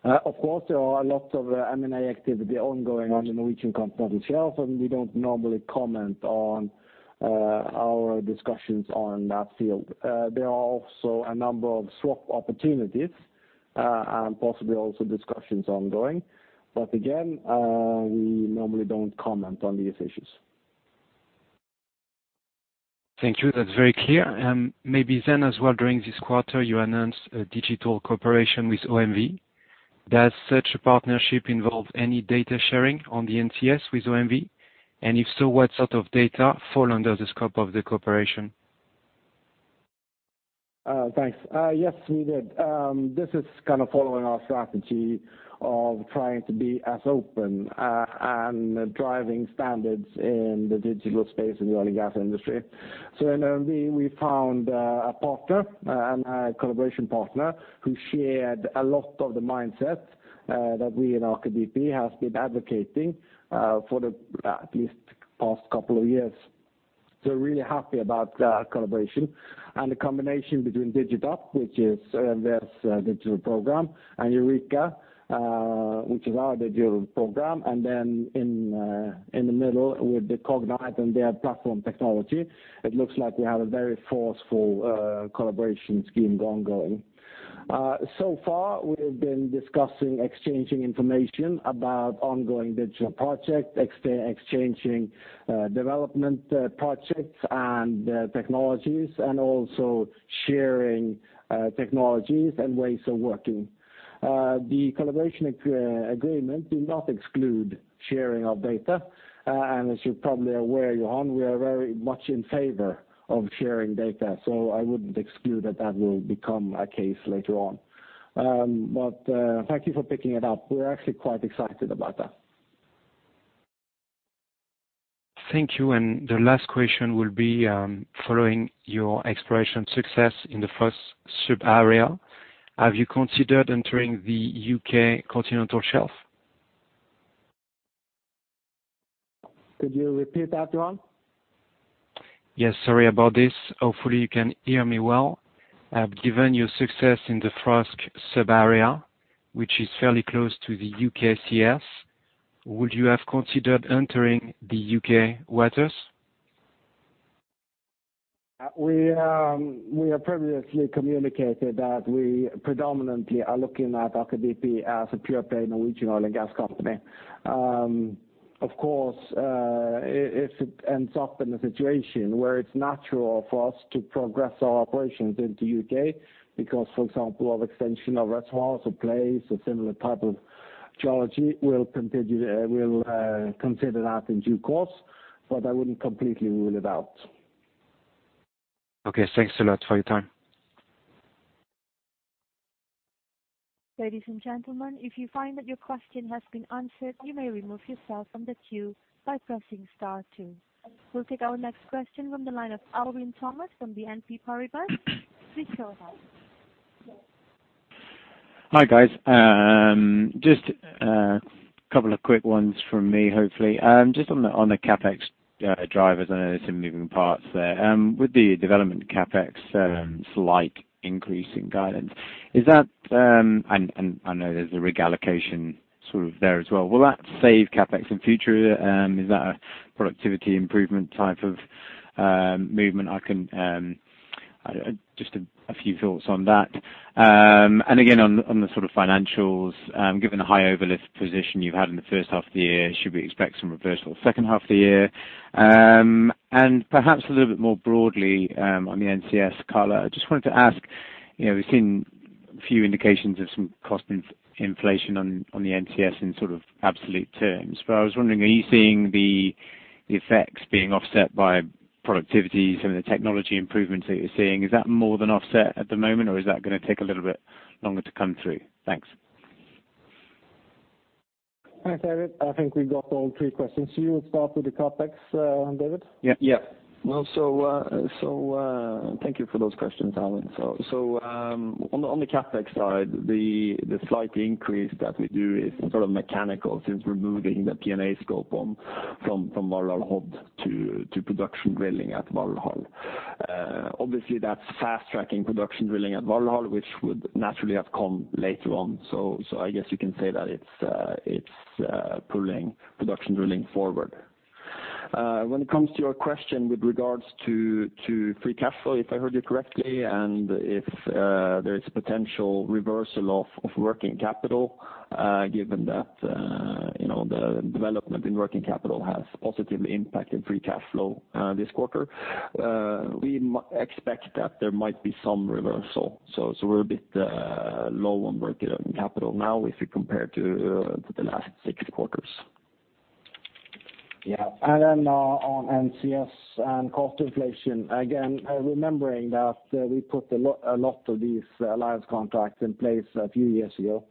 Of course, there are lots of M&A activity ongoing on the Norwegian Continental Shelf, we don't normally comment on our discussions on that field. There are also a number of swap opportunities, and possibly also discussions ongoing. Again, we normally don't comment on these issues. Thank you. That's very clear. During this quarter, you announced a digital cooperation with OMV. Does such a partnership involve any data sharing on the NCS with OMV? If so, what sort of data fall under the scope of the cooperation? Thanks. Yes, we did. This is kind of following our strategy of trying to be as open and driving standards in the digital space in the oil and gas industry. In OMV, we found a partner, a collaboration partner who shared a lot of the mindsets that we at Aker BP have been advocating for at least the past couple of years. Really happy about that collaboration and the combination between DigitUP, which is their digital program, and Eureka, which is our digital program. In the middle with the Cognite and their platform technology, it looks like we have a very forceful collaboration scheme ongoing. We have been discussing exchanging information about ongoing digital projects, exchanging development projects and technologies, and also sharing technologies and ways of working. The collaboration agreement does not exclude sharing of data. As you're probably aware, Yoann, we are very much in favor of sharing data. I wouldn't exclude that that will become a case later on. Thank you for picking it up. We're actually quite excited about that. Thank you. The last question will be, following your exploration success in the first sub-area, have you considered entering the U.K. continental shelf? Could you repeat that, Yoann? Yes, sorry about this. Hopefully, you can hear me well. Given your success in the Frosk sub-area, which is fairly close to the U.K. CS, would you have considered entering the U.K. waters? We have previously communicated that we predominantly are looking at Aker BP as a pure-play Norwegian oil and gas company. Of course, if it ends up in a situation where it's natural for us to progress our operations into U.K., because, for example, of extension of reservoirs or plays or similar type of geology, we'll consider that in due course. I wouldn't completely rule it out. Okay, thanks a lot for your time. Ladies and gentlemen, if you find that your question has been answered, you may remove yourself from the queue by pressing star two. We'll take our next question from the line of Alwyn Thomas from BNP Paribas. Please go ahead. Hi, guys. Just a couple of quick ones from me, hopefully. Just on the CapEx drivers, I know there's some moving parts there. With the development CapEx slight increase in guidance, and I know there's a rig allocation sort of there as well. Will that save CapEx in future? Is that a productivity improvement type of movement? Just a few thoughts on that. Again, on the sort of financials, given the high overlift position you had in the first half of the year, should we expect some reversal second half of the year? Perhaps a little bit more broadly on the NCS, Karl, I just wanted to ask, we've seen few indications of some cost inflation on the NCS in absolute terms. I was wondering, are you seeing the effects being offset by productivity, some of the technology improvements that you're seeing? Is that more than offset at the moment, or is that going to take a little bit longer to come through? Thanks. Thanks, Alwyn. I think we got all three questions. You would start with the CapEx, David? Yeah. Thank you for those questions, Alwyn. On the CapEx side, the slight increase that we do is mechanical since we're moving the P&A scope from Valhall Hod to production drilling at Valhall. Obviously, that's fast-tracking production drilling at Valhall, which would naturally have come later on. I guess you can say that it's pulling production drilling forward. When it comes to your question with regards to free cash flow, if I heard you correctly, and if there is a potential reversal of working capital, given that the development in working capital has positively impacted free cash flow this quarter. We expect that there might be some reversal. We're a bit low on working capital now if you compare to the last six quarters. On NCS and cost inflation, again, remembering that we put a lot of these alliance contracts in place a few years ago.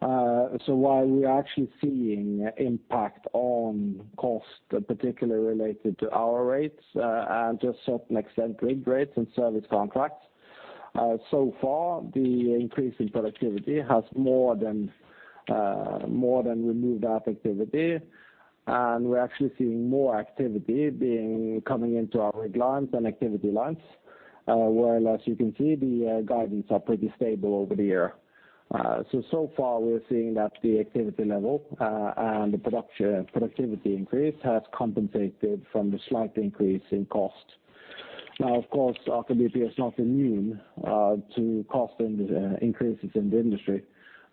While we are actually seeing impact on cost, particularly related to our rates and to a certain extent, rig rates and service contracts. So far, the increase in productivity has more than removed that activity, and we're actually seeing more activity coming into our rig lines and activity lines. Whereas you can see the guidance are pretty stable over the year. So far we're seeing that the activity level, and the productivity increase has compensated from the slight increase in cost. Now, of course, Aker BP is not immune to cost increases in the industry,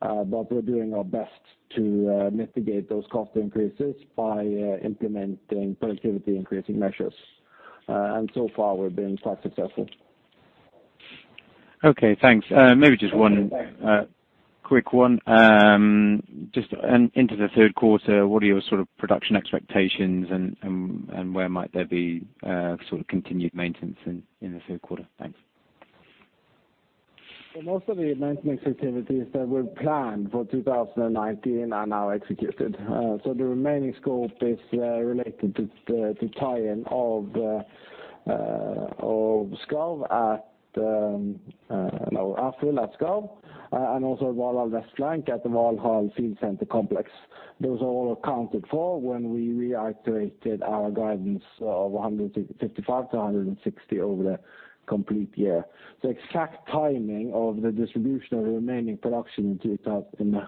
but we're doing our best to mitigate those cost increases by implementing productivity-increasing measures. So far, we've been quite successful. Okay, thanks. Maybe just one quick one. Just into the third quarter, what are your production expectations and where might there be continued maintenance in the third quarter? Thanks. Most of the maintenance activities that were planned for 2019 are now executed. The remaining scope is related to tie-in of Ærfugl at Skarv and also Valhall West Flank at the Valhall Field Center complex. Those are all accounted for when we reiterated our guidance of 155-160 over the complete year. The exact timing of the distribution of the remaining production in the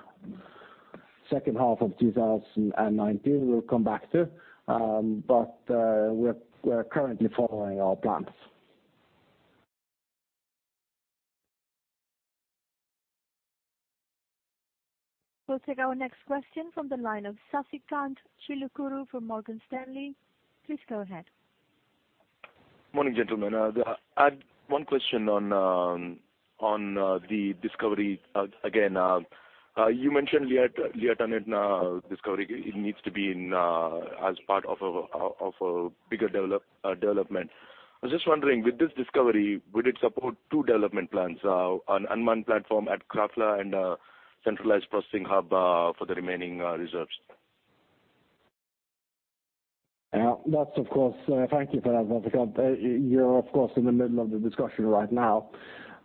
second half of 2019, we'll come back to. We're currently following our plans. We'll take our next question from the line of Sasikanth Chilukuru from Morgan Stanley. Please go ahead. Morning, gentlemen. I had one question on the discovery again. You mentioned the Liatårnet discovery, it needs to be as part of a bigger development. I was just wondering, with this discovery, would it support two development plans, an unmanned platform at Krafla and a centralized processing hub for the remaining reserves? Thank you for that, Sasikanth. You're of course, in the middle of the discussion right now.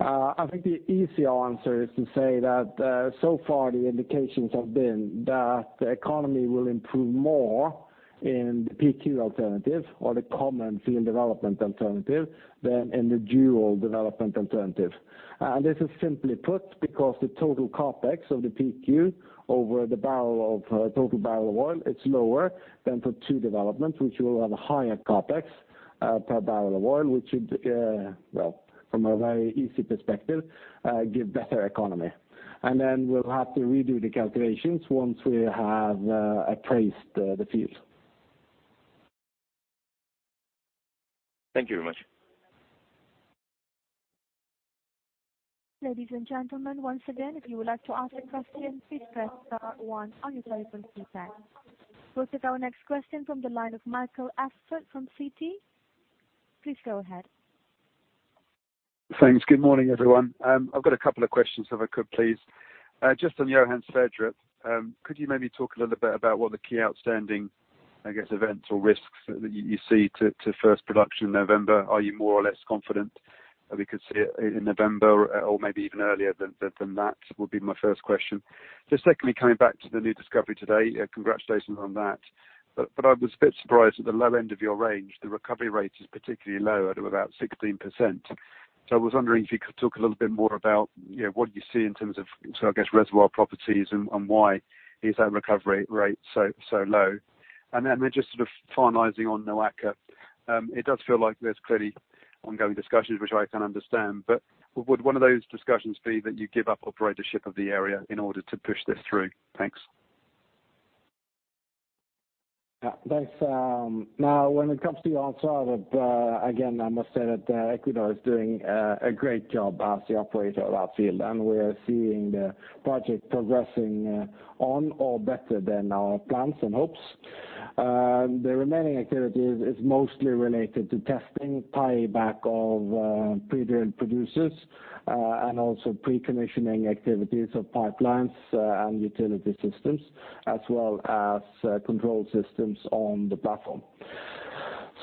I think the easier answer is to say that, so far the indications have been that the economy will improve more in the PQ alternative or the common field development alternative than in the dual development alternative. This is simply put, because the total CapEx of the PQ over the total barrel of oil is lower than for two developments, which will have a higher CapEx per barrel of oil, which should, from a very easy perspective, give better economy. Then we'll have to redo the calculations once we have appraised the field. Thank you very much. Ladies and gentlemen, once again, if you would like to ask a question, please press star one on your telephone keypad. We'll take our next question from the line of Michael Alsford from Citi. Please go ahead. Thanks. Good morning, everyone. I've got a couple of questions if I could, please. Just on Johan Sverdrup, could you maybe talk a little bit about what the key outstanding, I guess, events or risks that you see to first production in November? Are you more or less confident that we could see it in November or maybe even earlier than that? Would be my first question. Just secondly, coming back to the new discovery today, congratulations on that. I was a bit surprised at the low end of your range. The recovery rate is particularly low at about 16%. I was wondering if you could talk a little bit more about what you see in terms of, I guess, reservoir properties and why is that recovery rate so low. Then just sort of finalizing on NOAKA. It does feel like there's clearly ongoing discussions, which I can understand. Would one of those discussions be that you give up operatorship of the area in order to push this through? Thanks. Yeah, thanks. When it comes to Johan Sverdrup, again, I must say that Equinor is doing a great job as the operator of that field. We are seeing the project progressing on or better than our plans and hopes. The remaining activities is mostly related to testing, tieback of pre-drilled producers, and also pre-commissioning activities of pipelines, and utility systems, as well as control systems on the platform.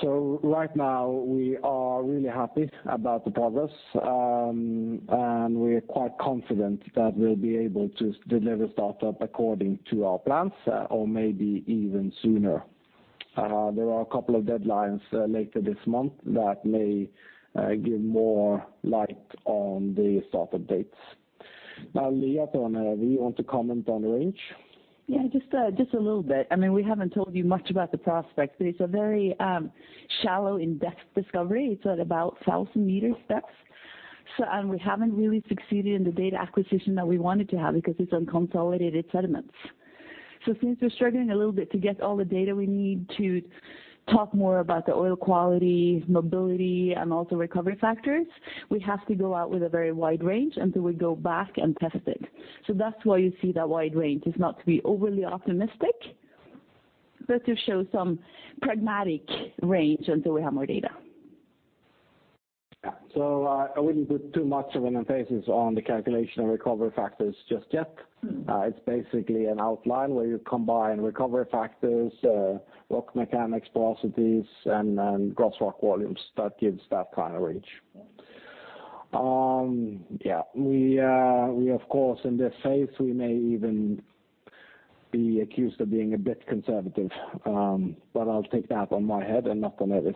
Right now we are really happy about the progress. We are quite confident that we'll be able to deliver startup according to our plans or maybe even sooner. There are a couple of deadlines later this month that may give more light on the startup dates. Evy, do you want to comment on the range? Yeah, just a little bit. We haven't told you much about the prospects. It's a very shallow in-depth discovery. It's at about 1,000 m depth. We haven't really succeeded in the data acquisition that we wanted to have because it's unconsolidated sediments. Since we're struggling a little bit to get all the data we need to talk more about the oil quality, mobility, and also recovery factors, we have to go out with a very wide range until we go back and test it. That's why you see that wide range. It's not to be overly optimistic, but to show some pragmatic range until we have more data. Yeah. I wouldn't put too much of an emphasis on the calculation of recovery factors just yet. It's basically an outline where you combine recovery factors, rock mechanics, porosities, and gross rock volumes that gives that kind of range. We, of course, in this phase, we may even be accused of being a bit conservative, but I'll take that on my head and not on others.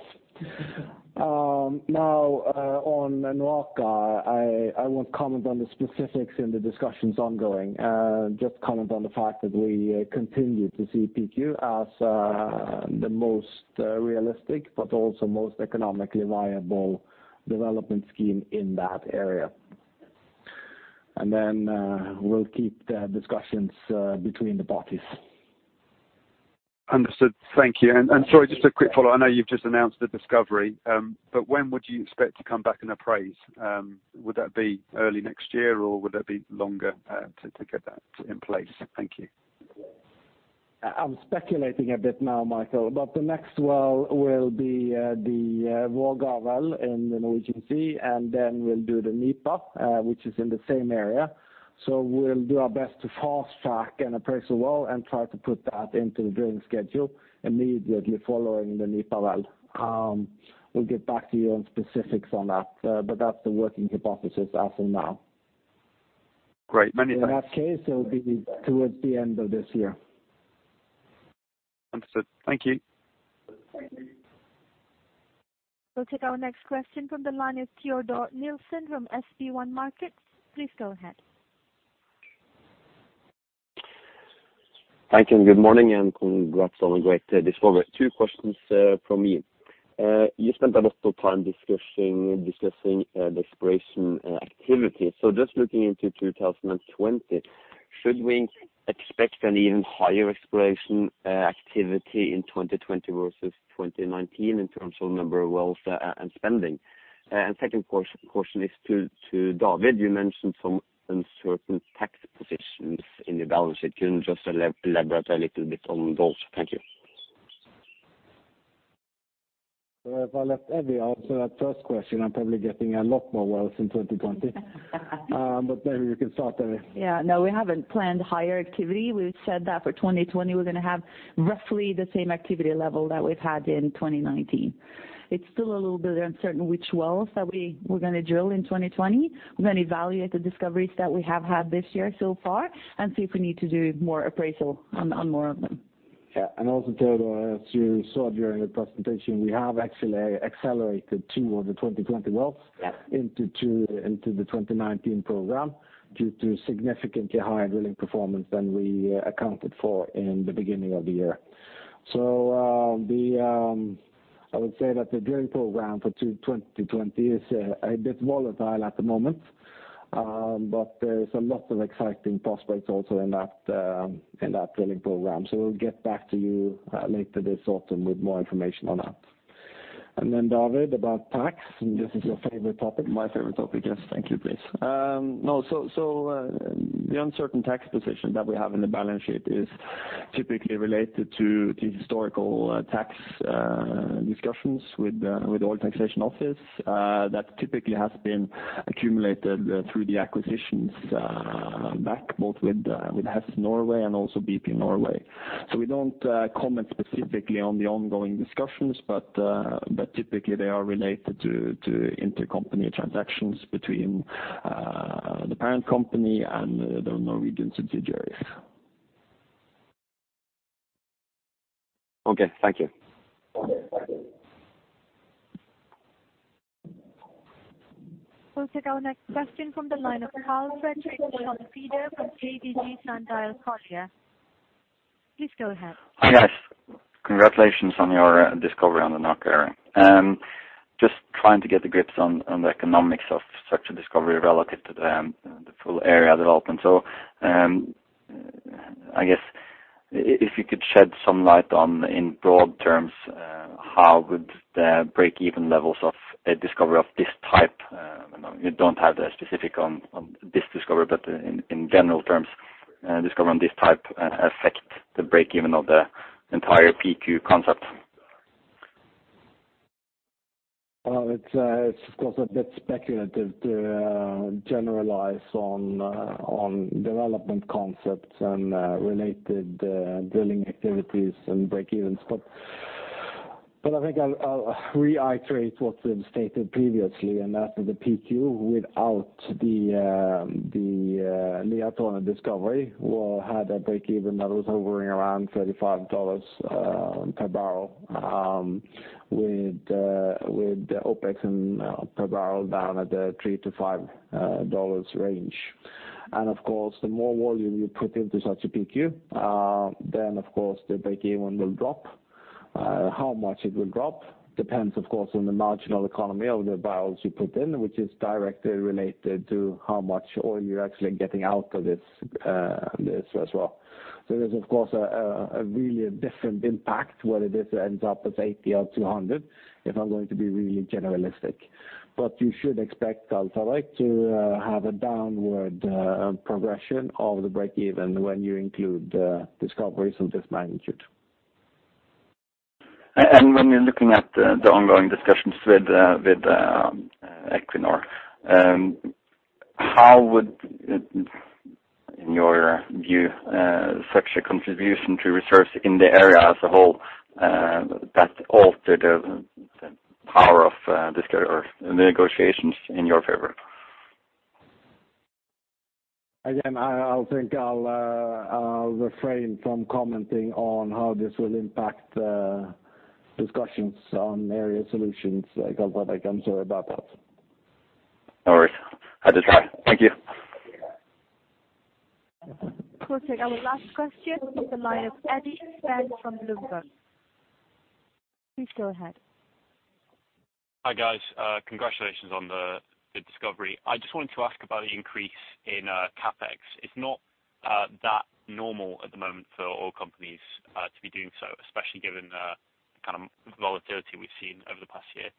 On NOAKA, I won't comment on the specifics in the discussions ongoing. Just comment on the fact that we continue to see PQ as the most realistic, but also most economically viable development scheme in that area. We'll keep the discussions between the parties. Understood. Thank you. Sorry, just a quick follow-up. I know you've just announced the discovery, but when would you expect to come back and appraise? Would that be early next year, or would that be longer to get that in place? Thank you. I'm speculating a bit now, Michael, but the next well will be the Vårgårda well in the Norwegian Sea, and then we'll do the Nipa, which is in the same area. We'll do our best to fast track and appraise a well and try to put that into the drilling schedule immediately following the Nipa well. We'll get back to you on specifics on that, but that's the working hypothesis as of now. Great. Many thanks. In that case, it will be towards the end of this year. Understood. Thank you. We'll take our next question from the line of Teodor Nilsen from SB1 Markets. Please go ahead. Thank you. Good morning, congrats on a great discovery. Two questions from me. You spent a lot of time discussing the exploration activity. Just looking into 2020, should we expect an even higher exploration activity in 2020 versus 2019 in terms of number of wells and spending? Second question is to David. You mentioned some uncertain tax positions in your balance sheet. Can you just elaborate a little bit on those? Thank you. If I let Evy answer that first question, I'm probably getting a lot more wells in 2020. Maybe you can start, Evy. Yeah, no, we haven't planned higher activity. We've said that for 2020, we're going to have roughly the same activity level that we've had in 2019. It's still a little bit uncertain which wells that we were going to drill in 2020. We're going to evaluate the discoveries that we have had this year so far and see if we need to do more appraisal on more of them. Yeah, Teodor, as you saw during the presentation, we have actually accelerated two of the 2020 wells into the 2019 program due to significantly higher drilling performance than we accounted for in the beginning of the year. I would say that the drilling program for 2020 is a bit volatile at the moment. There's a lot of exciting prospects also in that drilling program. We'll get back to you later this autumn with more information on that. David, about tax, this is your favorite topic. My favorite topic. Yes. Thank you. Please. The uncertain tax position that we have in the balance sheet is typically related to the historical tax discussions with Oil Taxation Office, that typically has been accumulated through the acquisitions back both with Hess Norway and also BP Norway. We don't comment specifically on the ongoing discussions, but typically they are related to intercompany transactions between the parent company and the Norwegian subsidiaries. Okay. Thank you. We'll take our next question from the line of Karl Fredrik Schjøtt-Pedersen from ABG Sundal Collier. Please go ahead. Yes. Congratulations on your discovery on the NOAKA area. Just trying to get the grips on the economics of such a discovery relative to the full area development. If you could shed some light on, in broad terms, how would the break-even levels of a discovery of this type, you don't have the specific on this discovery, but in general terms, discovery on this type affect the break-even of the entire PQ concept? Well, it's of course a bit speculative to generalize on development concepts and related drilling activities and break-evens. I think I'll reiterate what's been stated previously, and that is the PQ without the Liatårnet discovery, had a break-even that was hovering around $35 per barrel, with the OpEx and per barrel down at the $3-$5 range. Of course, the more volume you put into such a PQ, the break-even will drop. How much it will drop depends, of course, on the marginal economy of the barrels you put in, which is directly related to how much oil you're actually getting out of this as well. There's of course a really different impact, whether this ends up as 80 million-200 million, if I'm going to be really generalistic. You should expect Liatårnet to have a downward progression of the break-even when you include discoveries of this magnitude. When you're looking at the ongoing discussions with Equinor, how would, in your view, such a contribution to reserves in the area as a whole, that alter the power of the negotiations in your favor? I think I'll refrain from commenting on how this will impact discussions on area solutions like Karl Fredrik. I'm sorry about that. No worries. Had to try. Thank you. We'll take our last question from the line of Eddie Spence from Bloomberg. Please go ahead. Hi, guys. Congratulations on the discovery. I just wanted to ask about the increase in CapEx. It is not that normal at the moment for oil companies to be doing so, especially given the kind of volatility we have seen over the past year.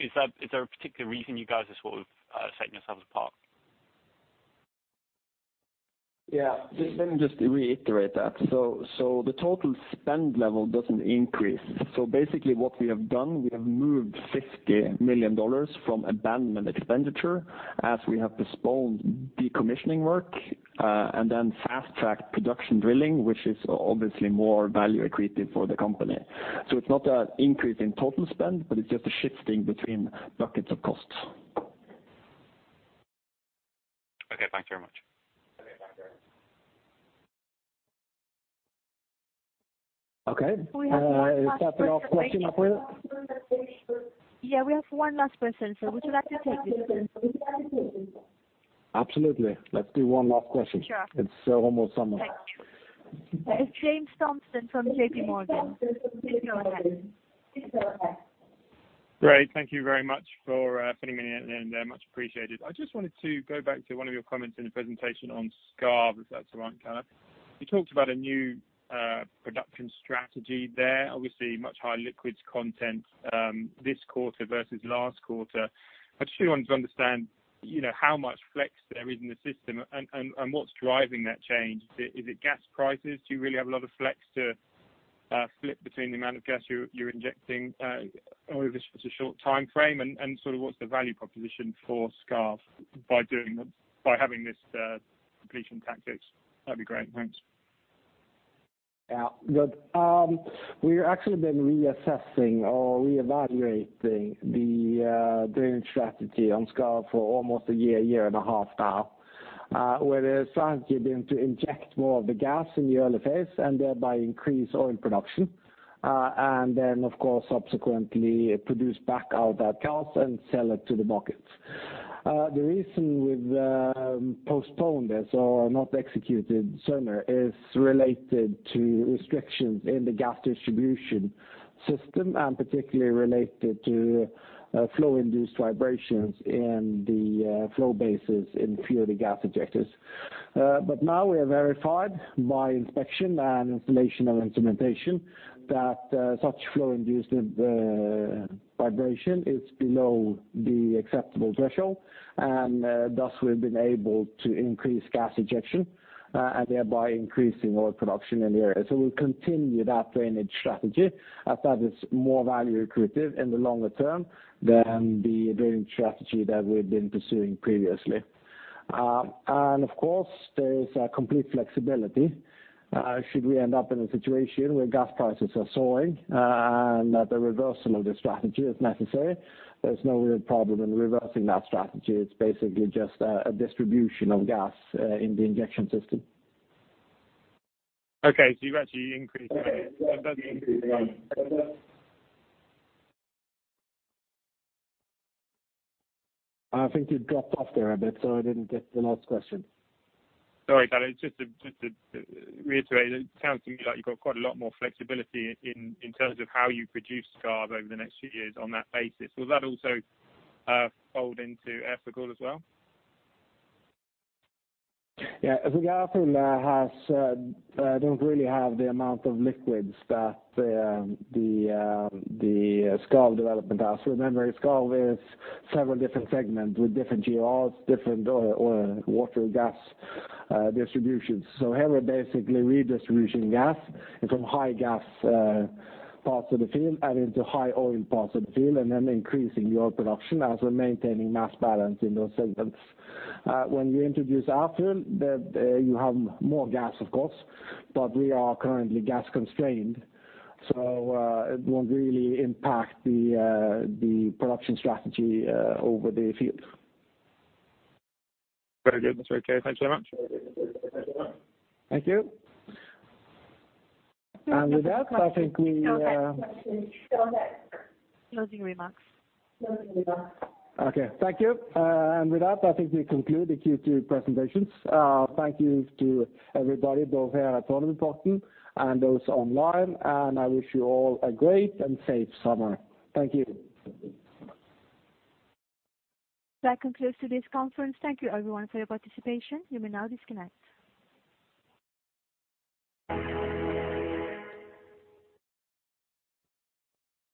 Is there a particular reason you guys are sort of setting yourselves apart? Yeah. Let me just reiterate that. The total spend level does not increase. Basically what we have done, we have moved $50 million from abandonment expenditure as we have postponed decommissioning work, and then fast-tracked production drilling, which is obviously more value accretive for the company. It is not an increase in total spend, but it is just a shifting between buckets of costs. Okay, thanks very much. Okay. Is that the last question, operator? Yeah, we have one last person, sir. Would you like to take it? Absolutely. Let's do one last question. Sure. It's almost summer. Thank you. It's James Thompson from JPMorgan. Please go ahead. Great. Thank you very much for fitting me in there. Much appreciated. I just wanted to go back to one of your comments in the presentation on Skarv, if that's all right, Karl. You talked about a new production strategy there. Obviously much higher liquids content this quarter versus last quarter. I just really wanted to understand how much flex there is in the system and what's driving that change. Is it gas prices? Do you really have a lot of flex to flip between the amount of gas you're injecting over such a short timeframe? What's the value proposition for Skarv by having this completion tactics? That'd be great. Thanks. Yeah. We've actually been reassessing or reevaluating the drainage strategy on Skarv for almost a year and a half now, where the strategy has been to inject more of the gas in the early phase and thereby increase oil production. Of course subsequently produce back all that gas and sell it to the markets. The reason we've postponed this or not executed sooner is related to restrictions in the gas distribution system, and particularly related to flow-induced vibrations in the flow bases in few of the gas injectors. Now we have verified by inspection and installation of instrumentation that such flow-induced vibration is below the acceptable threshold, and thus we've been able to increase gas injection, and thereby increasing oil production in the area. We'll continue that drainage strategy as that is more value accretive in the longer term than the drainage strategy that we've been pursuing previously. Of course, there is a complete flexibility should we end up in a situation where gas prices are soaring, and that the reversal of the strategy is necessary. There's no real problem in reversing that strategy. It's basically just a distribution of gas in the injection system. Okay, you've actually increased I think you dropped off there a bit, so I didn't get the last question. Sorry, Karl. Just to reiterate, it sounds to me like you've got quite a lot more flexibility in terms of how you produce Skarv over the next few years on that basis. Will that also fold into Ærfugl as well? Ærfugl don't really have the amount of liquids that the Skarv development has. Remember, Skarv is several different segments with different GORs, different oil-water-gas distributions. Here we're basically redistribution gas from high gas parts of the field and into high oil parts of the field, and then increasing the oil production as we're maintaining mass balance in those segments. When you introduce Ærfugl, you have more gas of course, but we are currently gas constrained. It won't really impact the production strategy over the field. Very good. That's okay. Thanks so much. Thank you. With that, I think Closing remarks. Okay. Thank you. With that, I think we conclude the Q2 presentations. Thank you to everybody both here at Fornebuporten and those online, and I wish you all a great and safe summer. Thank you. That concludes today's conference. Thank you everyone for your participation. You may now disconnect.